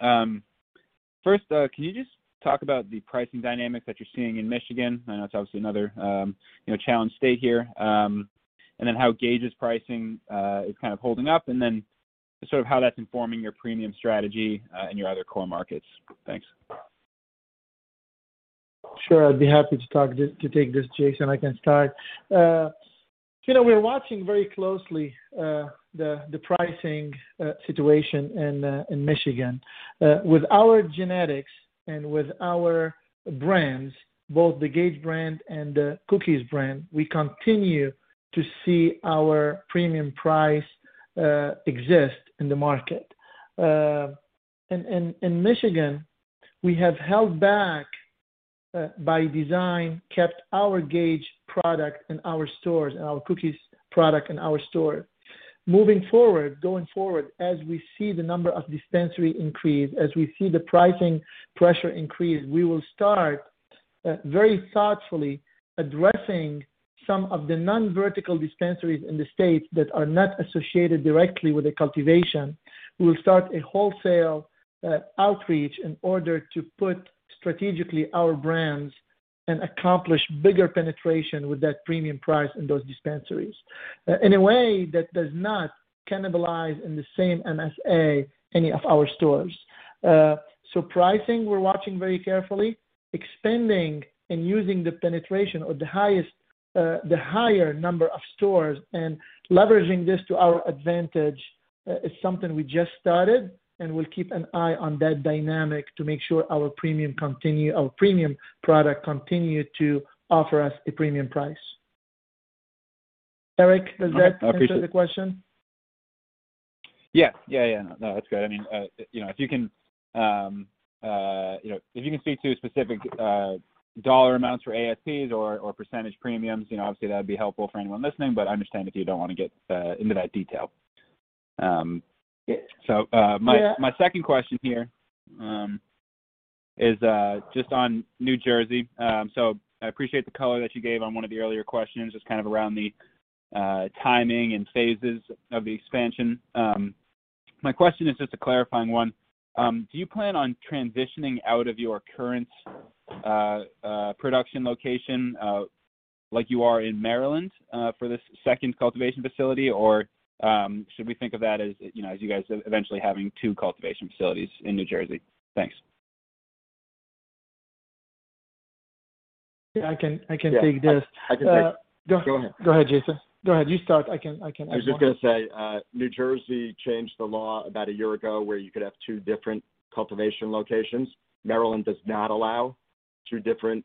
First, can you just talk about the pricing dynamics that you're seeing in Michigan? I know it's obviously another, you know, challenged state here, and then how Gage's pricing is kind of holding up, and then sort of how that's informing your premium strategy in your other core markets. Thanks. Sure. I'd be happy to take this, Jason. I can start. You know, we're watching very closely the pricing situation in Michigan. With our genetics and with our brands, both the Gage brand and the Cookies brand, we continue to see our premium price exist in the market. In Michigan, we have held back by design, kept our Gage product in our stores and our Cookies product in our store. Moving forward, going forward, as we see the number of dispensary increase, as we see the pricing pressure increase, we will start very thoughtfully addressing some of the non-vertical dispensaries in the state that are not associated directly with the cultivation. We will start a wholesale outreach in order to put strategically our brands and accomplish bigger penetration with that premium price in those dispensaries, in a way that does not cannibalize in the same MSA any of our stores. Pricing, we're watching very carefully. Expanding and using the penetration or the higher number of stores and leveraging this to our advantage is something we just started, and we'll keep an eye on that dynamic to make sure our premium product continue to offer us a premium price. Eric, does that answer the question? No, that's great. I mean, you know, if you can speak to specific dollar amounts for ASPs or percentage premiums, you know, obviously that would be helpful for anyone listening, but I understand if you don't want to get into that detail. My second question here is just on New Jersey. I appreciate the color that you gave on one of the earlier questions, just kind of around the timing and phases of the expansion. My question is just a clarifying one. Do you plan on transitioning out of your current production location, like you are in Maryland, for this second cultivation facility, or should we think of that as you guys eventually having two cultivation facilities in New Jersey? Thanks. Yeah, I can take this. Yeah. I can take this. Go ahead, Jason. Go ahead. You start. I can add more. I was just gonna say, New Jersey changed the law about a year ago where you could have two different cultivation locations. Maryland does not allow two different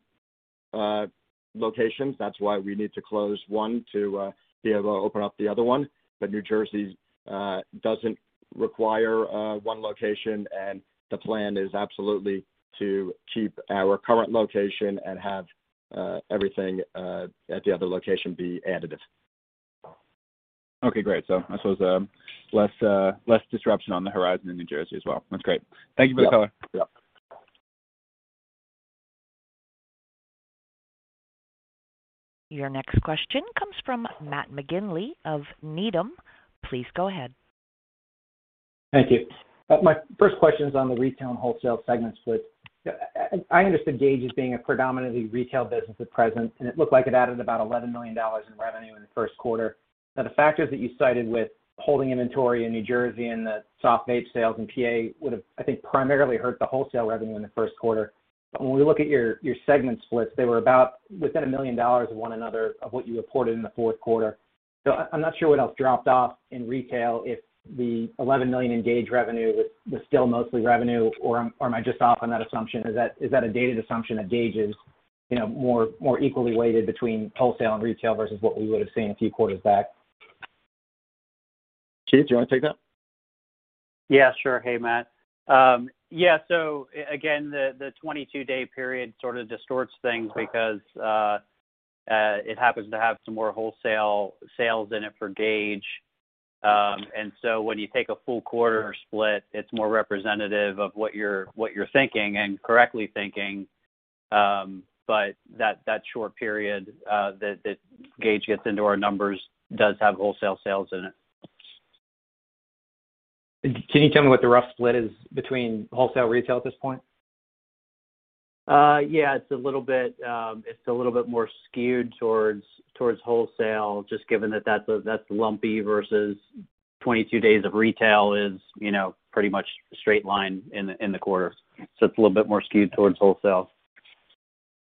locations. That's why we need to close one to be able to open up the other one. New Jersey doesn't require one location, and the plan is absolutely to keep our current location and have everything at the other location be additive. Okay, great. I suppose less disruption on the horizon in New Jersey as well. That's great. Thank you for the color. Yep. Yep. Your next question comes from Matt McGinley of Needham. Please go ahead. Thank you. My first question's on the retail and wholesale segment split. I understand Gage as being a predominantly retail business at present, and it looked like it added about $11 million in revenue in the first quarter. Now the factors that you cited with holding inventory in New Jersey and the soft vape sales in PA would have, I think, primarily hurt the wholesale revenue in the first quarter. When we look at your segment splits, they were about within $1 million of one another of what you reported in the fourth quarter. I'm not sure what else dropped off in retail, if the $11 million in Gage revenue was still mostly retail or am I just off on that assumption? Is that a dated assumption that Gage is, you know, more equally weighted between wholesale and retail versus what we would have seen a few quarters back? Keith, do you want to take that? Yeah, sure. Hey, Matt. Yeah, so again, the 22 day period sort of distorts things because it happens to have some more wholesale sales in it for Gage. When you take a full quarter split, it's more representative of what you're thinking, and correctly thinking. That short period that Gage gets into our numbers does have wholesale sales in it. Can you tell me what the rough split is between wholesale retail at this point? Yeah, it's a little bit more skewed towards wholesale, just given that that's lumpy versus 22 days of retail is, you know, pretty much a straight line in the quarter. It's a little bit more skewed towards wholesale.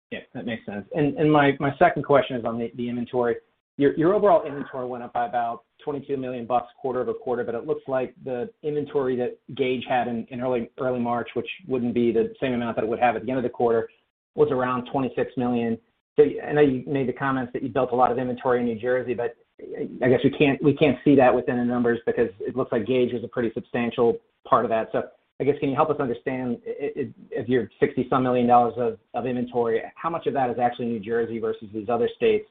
Yeah, that makes sense. My second question is on the inventory. Your overall inventory went up by about $22 million quarter-over-quarter, but it looks like the inventory that Gage had in early March, which wouldn't be the same amount that it would have at the end of the quarter, was around $26 million. I know you made the comments that you built a lot of inventory in New Jersey, but I guess we can't see that within the numbers because it looks like Gage was a pretty substantial part of that. I guess can you help us understand if your $60 million of inventory, how much of that is actually New Jersey versus these other states?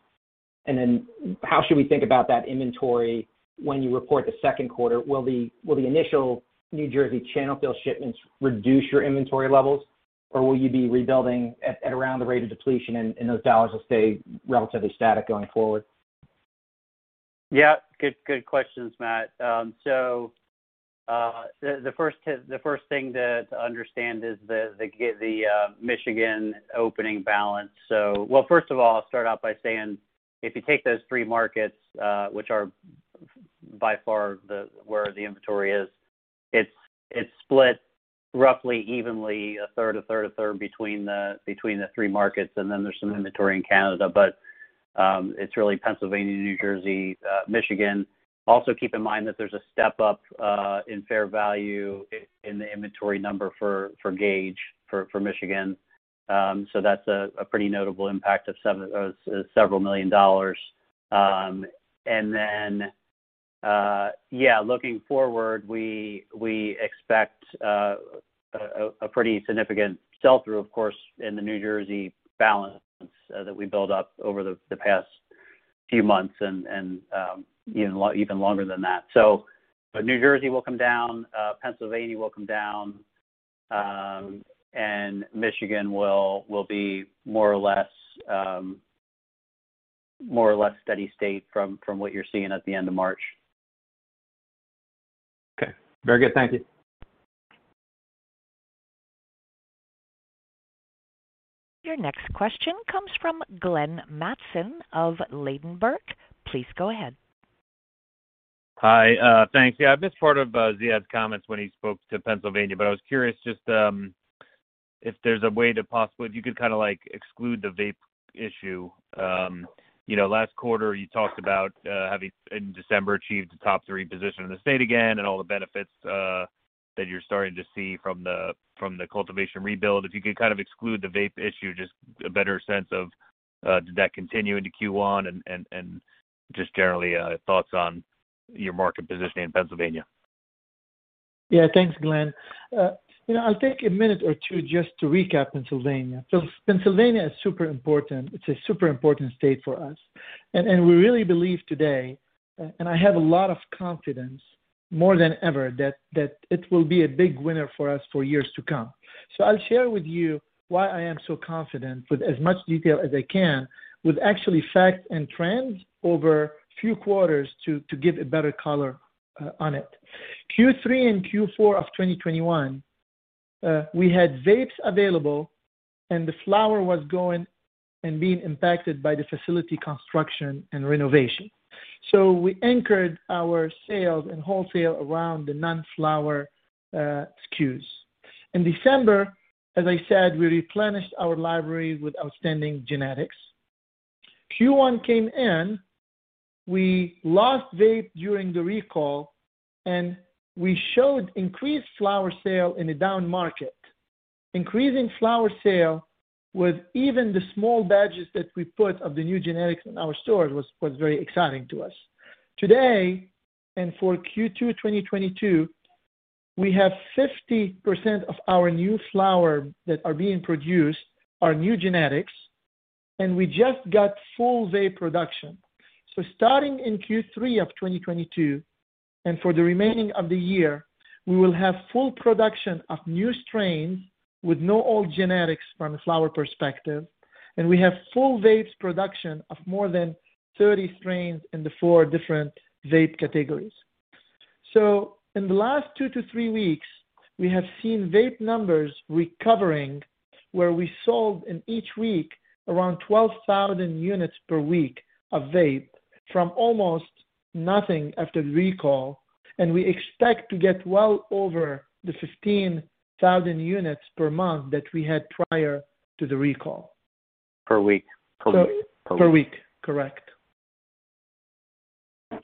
And then how should we think about that inventory when you report the second quarter? Will the initial New Jersey channel fill shipments reduce your inventory levels? Or will you be rebuilding at around the rate of depletion and those dollars will stay relatively static going forward? Yeah. Good, good questions, Matt. The first thing to understand is the Michigan opening balance. Well, first of all, I'll start out by saying if you take those three markets, which are by far where the inventory is, it's split roughly evenly, a third, a third, a third between the three markets, and then there's some inventory in Canada. It's really Pennsylvania, New Jersey, Michigan. Also keep in mind that there's a step up in fair value in the inventory number for Gage for Michigan. That's a pretty notable impact of $several million. Looking forward, we expect a pretty significant sell-through, of course, in the New Jersey balance that we built up over the past few months and even longer than that. New Jersey will come down, Pennsylvania will come down, and Michigan will be more or less steady state from what you're seeing at the end of March. Okay. Very good. Thank you. Your next question comes from Glenn Mattson of Ladenburg. Please go ahead. Hi. Thanks. Yeah, I missed part of Ziad's comments when he spoke to Pennsylvania, but I was curious just if you could kind of like exclude the vape issue. You know, last quarter, you talked about having in December achieved a top three position in the state again and all the benefits that you're starting to see from the cultivation rebuild. If you could kind of exclude the vape issue, just a better sense of did that continue into Q1 and just generally thoughts on your market position in Pennsylvania. Yeah. Thanks, Glenn. You know, I'll take a minute or two just to recap Pennsylvania. Pennsylvania is super important. It's a super important state for us. We really believe today, and I have a lot of confidence more than ever that it will be a big winner for us for years to come. I'll share with you why I am so confident with as much detail as I can with actually facts and trends over a few quarters to give a better color on it. Q3 and Q4 of 2021, we had vapes available, and the flower was going and being impacted by the facility construction and renovation. We anchored our sales and wholesale around the non-flower SKUs. In December, as I said, we replenished our library with outstanding genetics. Q1 came in, we lost vape during the recall, and we showed increased flower sales in a down market. Increasing flower sales with even the small batches that we put out of the new genetics in our stores was very exciting to us. Today, for Q2 2022, we have 50% of our new flower that are being produced are new genetics, and we just got full vape production. Starting in Q3 of 2022, for the remainder of the year, we will have full production of new strains with no old genetics from a flower perspective. We have full vape production of more than 30 strains in the four different vape categories. In the last two-three weeks, we have seen vape numbers recovering, where we sold in each week around 12,000 units per week of vape from almost nothing after the recall. We expect to get well over the 15,000 units per month that we had prior to the recall. Per week. Per week. Correct.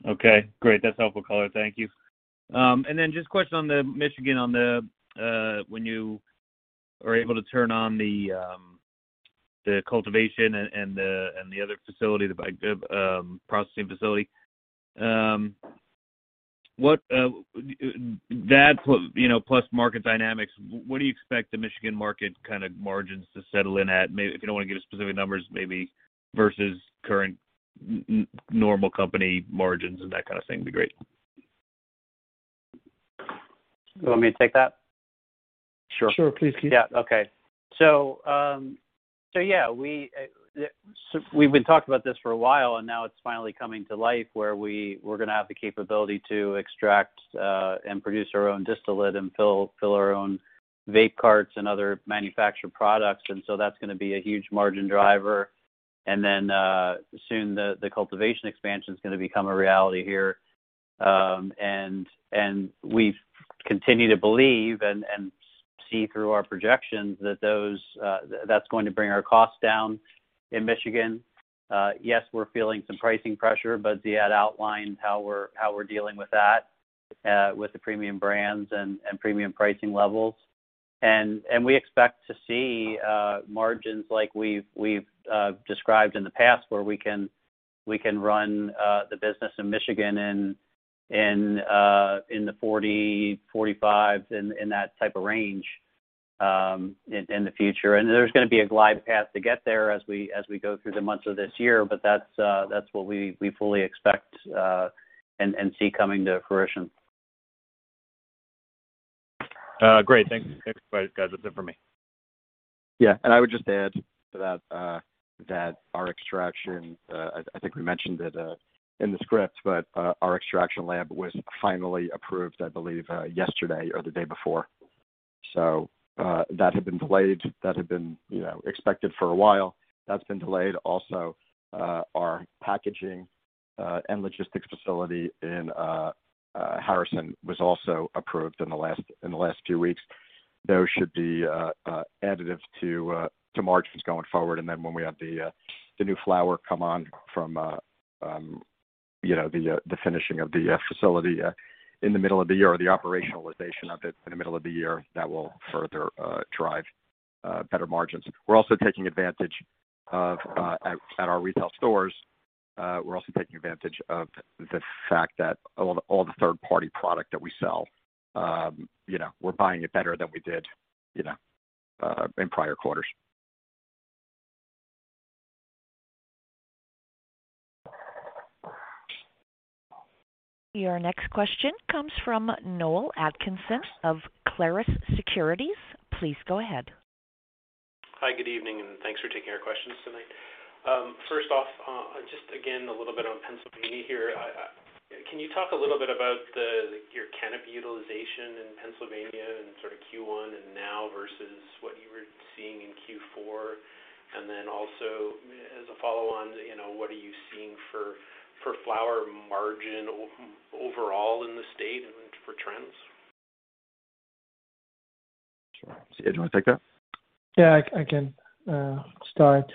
Okay, great. That's helpful color. Thank you. Just a question on the Michigan, when you are able to turn on the cultivation and the other facility, the processing facility. That plus, you know, market dynamics, what do you expect the Michigan market kind of margins to settle in at? Maybe if you don't want to give specific numbers, maybe versus current normal company margins and that kind of thing would be great. You want me to take that? Sure. Sure. Please, Keith. Yeah. Okay. We've been talking about this for a while, and now it's finally coming to life where we're gonna have the capability to extract and produce our own distillate and fill our own vape carts and other manufactured products. That's gonna be a huge margin driver. Soon the cultivation expansion is gonna become a reality here. We continue to believe and see through our projections that that's going to bring our costs down in Michigan. Yes, we're feeling some pricing pressure, but Ziad outlined how we're dealing with that with the premium brands and premium pricing levels. We expect to see margins like we've described in the past where we can run the business in Michigan in the 40%-45% range in the future. There's gonna be a glide path to get there as we go through the months of this year, but that's what we fully expect and see coming to fruition. Great. Thanks. Thanks, guys. That's it for me. Yeah. I would just add to that our extraction lab was finally approved, I believe, yesterday or the day before. That had been delayed. That had been expected for a while. That's been delayed. Also, our packaging and logistics facility in Harrison was also approved in the last few weeks. Those should be additive to margins going forward. Then when we have the new flower come on from you know, the finishing of the facility in the middle of the year or the operationalization of it in the middle of the year, that will further drive better margins. We're also taking advantage of the fact that all the third-party product that we sell, you know, we're buying it better than we did, you know, in prior quarters. Your next question comes from Noel Atkinson of Clarus Securities. Please go ahead. Hi. Good evening, and thanks for taking our questions tonight. First off, just again, a little bit on Pennsylvania here. Can you talk a little bit about your canopy utilization in Pennsylvania in sort of Q1 and now versus what you were seeing in Q4? And then also as a follow-on, you know, what are you seeing for flower margin overall in the state and for trends? Sure. Ziad, do you wanna take that? Yeah, I can start.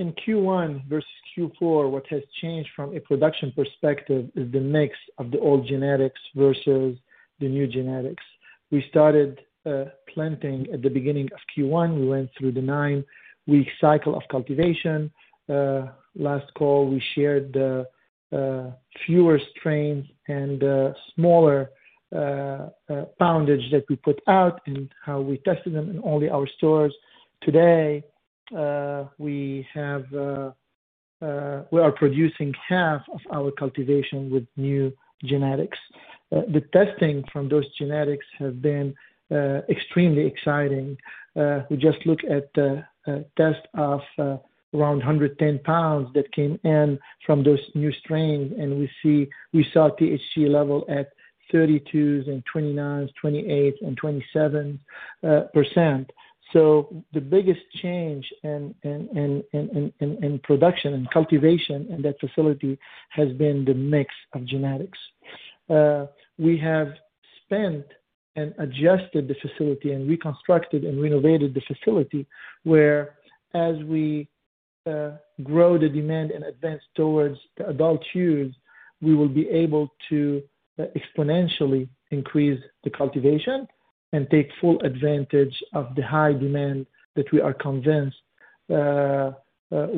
In Q1 versus Q4, what has changed from a production perspective is the mix of the old genetics versus the new genetics. We started planting at the beginning of Q1. We went through the nine-week cycle of cultivation. Last call, we shared fewer strains and smaller poundage that we put out and how we tested them in all our stores. Today, we are producing half of our cultivation with new genetics. The testing from those genetics has been extremely exciting. We just look at the test of around 110 pounds that came in from those new strains, and we saw THC level at 32s and 29s, 28s and 27%. The biggest change in production and cultivation in that facility has been the mix of genetics. We have spent and adjusted the facility and reconstructed and renovated the facility, whereas we grow the demand and advance towards adult use, we will be able to exponentially increase the cultivation and take full advantage of the high demand that we are convinced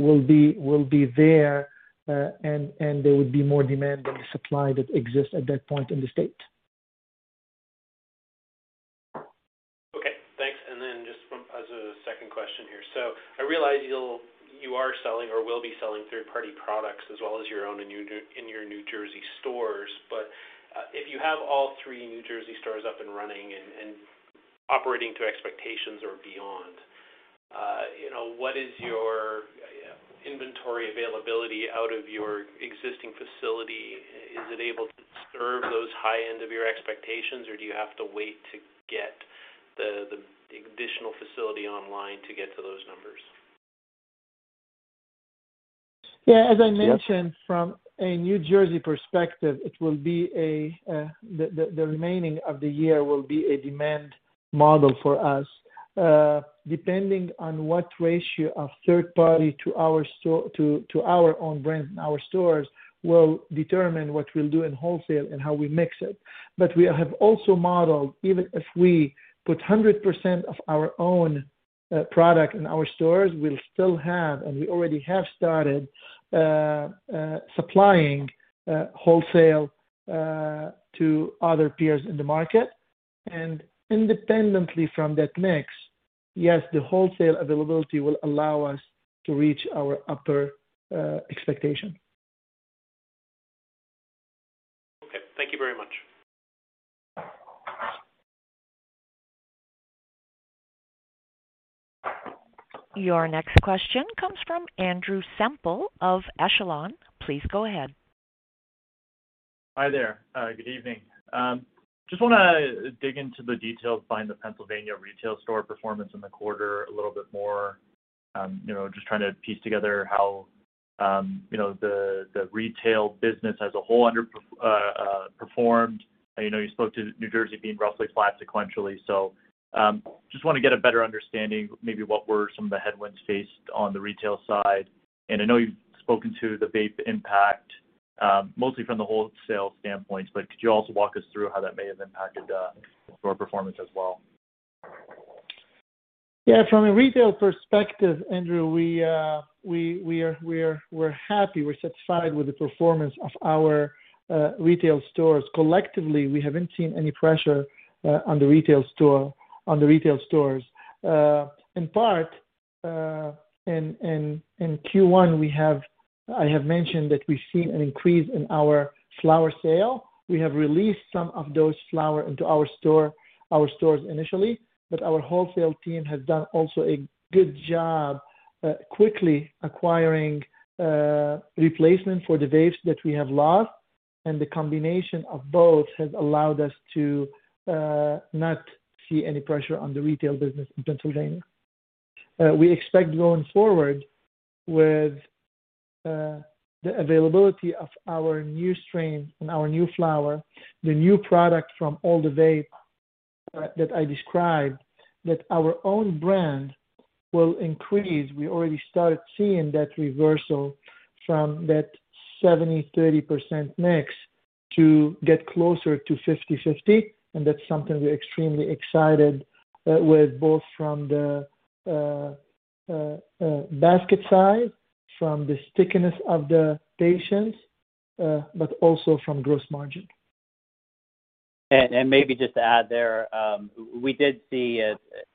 will be there, and there would be more demand than the supply that exists at that point in the state. Okay, thanks. Just as a second question here. I realize you are selling or will be selling third-party products as well as your own in your New Jersey stores. If you have all three New Jersey stores up and running and operating to expectations or beyond, you know, what is your inventory availability out of your existing facility? Is it able to serve those high end of your expectations, or do you have to wait to get the additional facility online to get to those numbers? Yeah. As I mentioned, from a New Jersey perspective, it will be the remainder of the year will be a demand model for us. Depending on what ratio of third-party to our own brand in our stores will determine what we'll do in wholesale and how we mix it. We have also modeled, even if we put 100% of our own product in our stores, we'll still have, and we already have started supplying wholesale to other peers in the market. Independently from that mix, yes, the wholesale availability will allow us to reach our upper expectation. Okay. Thank you very much. Your next question comes from Andrew Semple of Echelon. Please go ahead. Hi there. Good evening. Just wanna dig into the details behind the Pennsylvania retail store performance in the quarter a little bit more. Just trying to piece together how the retail business as a whole performed. I know you spoke to New Jersey being roughly flat sequentially. Just wanna get a better understanding, maybe what were some of the headwinds faced on the retail side. I know you've spoken to the vape impact, mostly from the wholesale standpoint, but could you also walk us through how that may have impacted store performance as well? Yeah. From a retail perspective, Andrew, we're happy, we're satisfied with the performance of our retail stores. Collectively, we haven't seen any pressure on the retail stores. In part, in Q1, I have mentioned that we've seen an increase in our flower sale. We have released some of those flower into our stores initially, but our wholesale team has done also a good job, quickly acquiring replacement for the vapes that we have lost. The combination of both has allowed us to not see any pressure on the retail business in Pennsylvania. We expect going forward with the availability of our new strain and our new flower, the new product from all the vape that I described, that our own brand will increase. We already started seeing that reversal from that 70%-30% mix to get closer to 50/50, and that's something we're extremely excited with, both from the basket side, from the stickiness of the patients, but also from gross margin. Maybe just to add there, we did see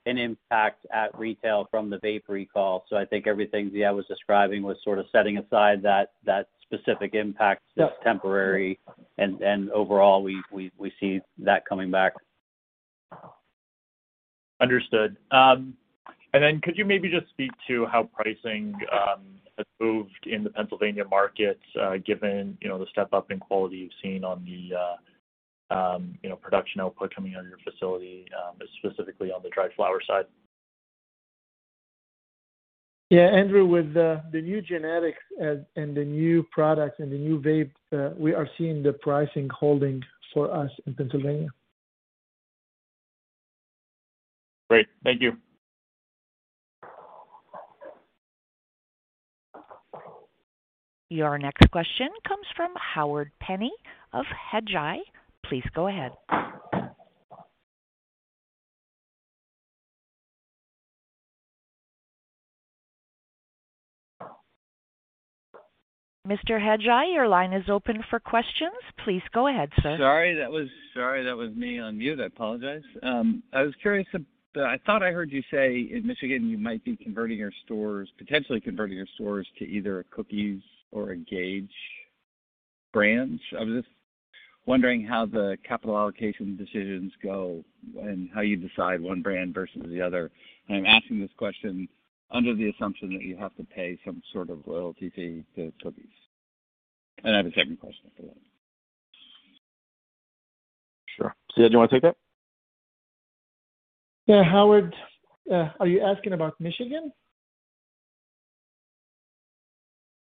an impact at retail from the vape recall. I think everything Ziad was describing was sort of setting aside that specific impact. Yep. That's temporary. Overall, we see that coming back. Understood. Could you maybe just speak to how pricing has moved in the Pennsylvania markets, given, you know, the step-up in quality you've seen on the production output coming out of your facility, specifically on the dried flower side? Yeah, Andrew, with the new genetics and the new products and the new vapes, we are seeing the pricing holding for us in Pennsylvania. Great. Thank you. Your next question comes from Howard Penney of Hedgeye. Please go ahead. Mr. Hedgeye, your line is open for questions. Please go ahead, sir. Sorry, that was me on mute. I apologize. I was curious. I thought I heard you say in Michigan you might be converting your stores, potentially converting your stores to either a Cookies or a Gage brands. I was just wondering how the capital allocation decisions go and how you decide one brand versus the other. I'm asking this question under the assumption that you have to pay some sort of loyalty fee to Cookies. I have a second question after that. Sure. Ziad, do you wanna take that? Yeah. Howard, are you asking about Michigan?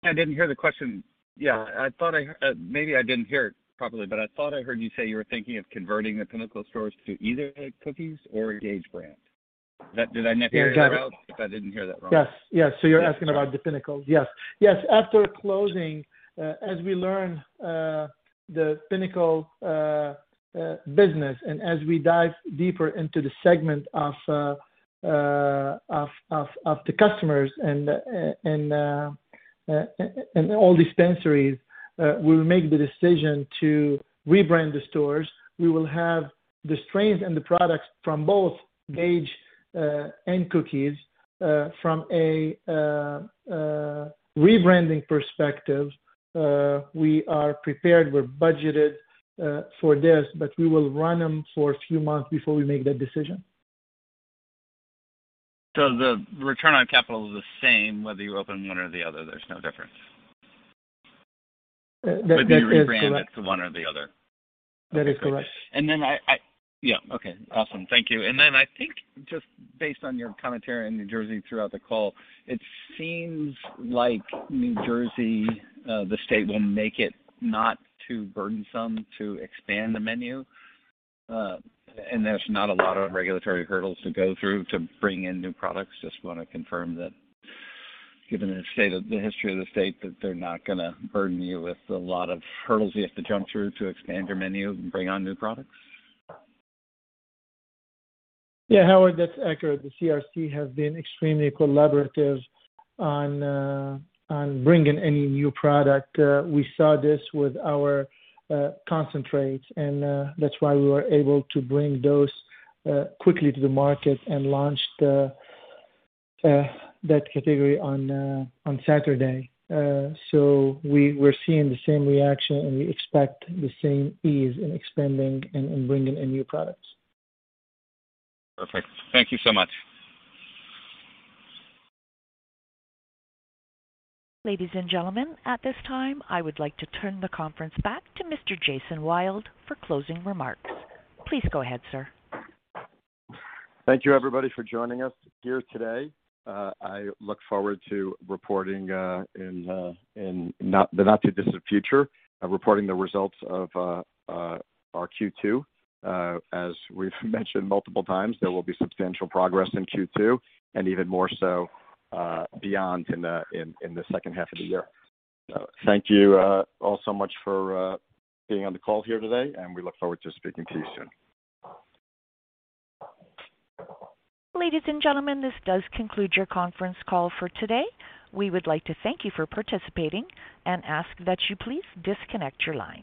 I didn't hear the question. Yeah, I thought I heard. Maybe I didn't hear it properly, but I thought I heard you say you were thinking of converting the Pinnacle stores to either a Cookies or a Gage brand. That, did I not hear that? Yeah, got it. If I didn't hear that wrong. Yes. You're asking about the Pinnacle? Yes. After closing, as we learn the Pinnacle business and as we dive deeper into the segment of the customers and all dispensaries, we'll make the decision to rebrand the stores. We will have the strains and the products from both Gage and Cookies. From a rebranding perspective, we are prepared, we're budgeted for this, but we will run them for a few months before we make that decision. The return on capital is the same whether you open one or the other, there's no difference? That is correct. You rebrand it to one or the other. That is correct. Yeah. Okay, awesome. Thank you. I think just based on your commentary in New Jersey throughout the call, it seems like New Jersey, the state will make it not too burdensome to expand the menu, and there's not a lot of regulatory hurdles to go through to bring in new products. Just wanna confirm that given the state of the history of the state, that they're not gonna burden you with a lot of hurdles you have to jump through to expand your menu and bring on new products. Yeah. Howard, that's accurate. The CRC has been extremely collaborative on bringing any new product. We saw this with our concentrates, and that's why we were able to bring those quickly to the market and launch that category on Saturday. We're seeing the same reaction, and we expect the same ease in expanding and bringing in new products. Perfect. Thank you so much. Ladies and gentlemen, at this time, I would like to turn the conference back to Mr. Jason Wild for closing remarks. Please go ahead, sir. Thank you, everybody, for joining us here today. I look forward to reporting in the not too distant future the results of our Q2. As we've mentioned multiple times, there will be substantial progress in Q2, and even more so, beyond in the second half of the year. Thank you all so much for being on the call here today, and we look forward to speaking to you soon. Ladies and gentlemen, this does conclude your conference call for today. We would like to thank you for participating and ask that you please disconnect your lines.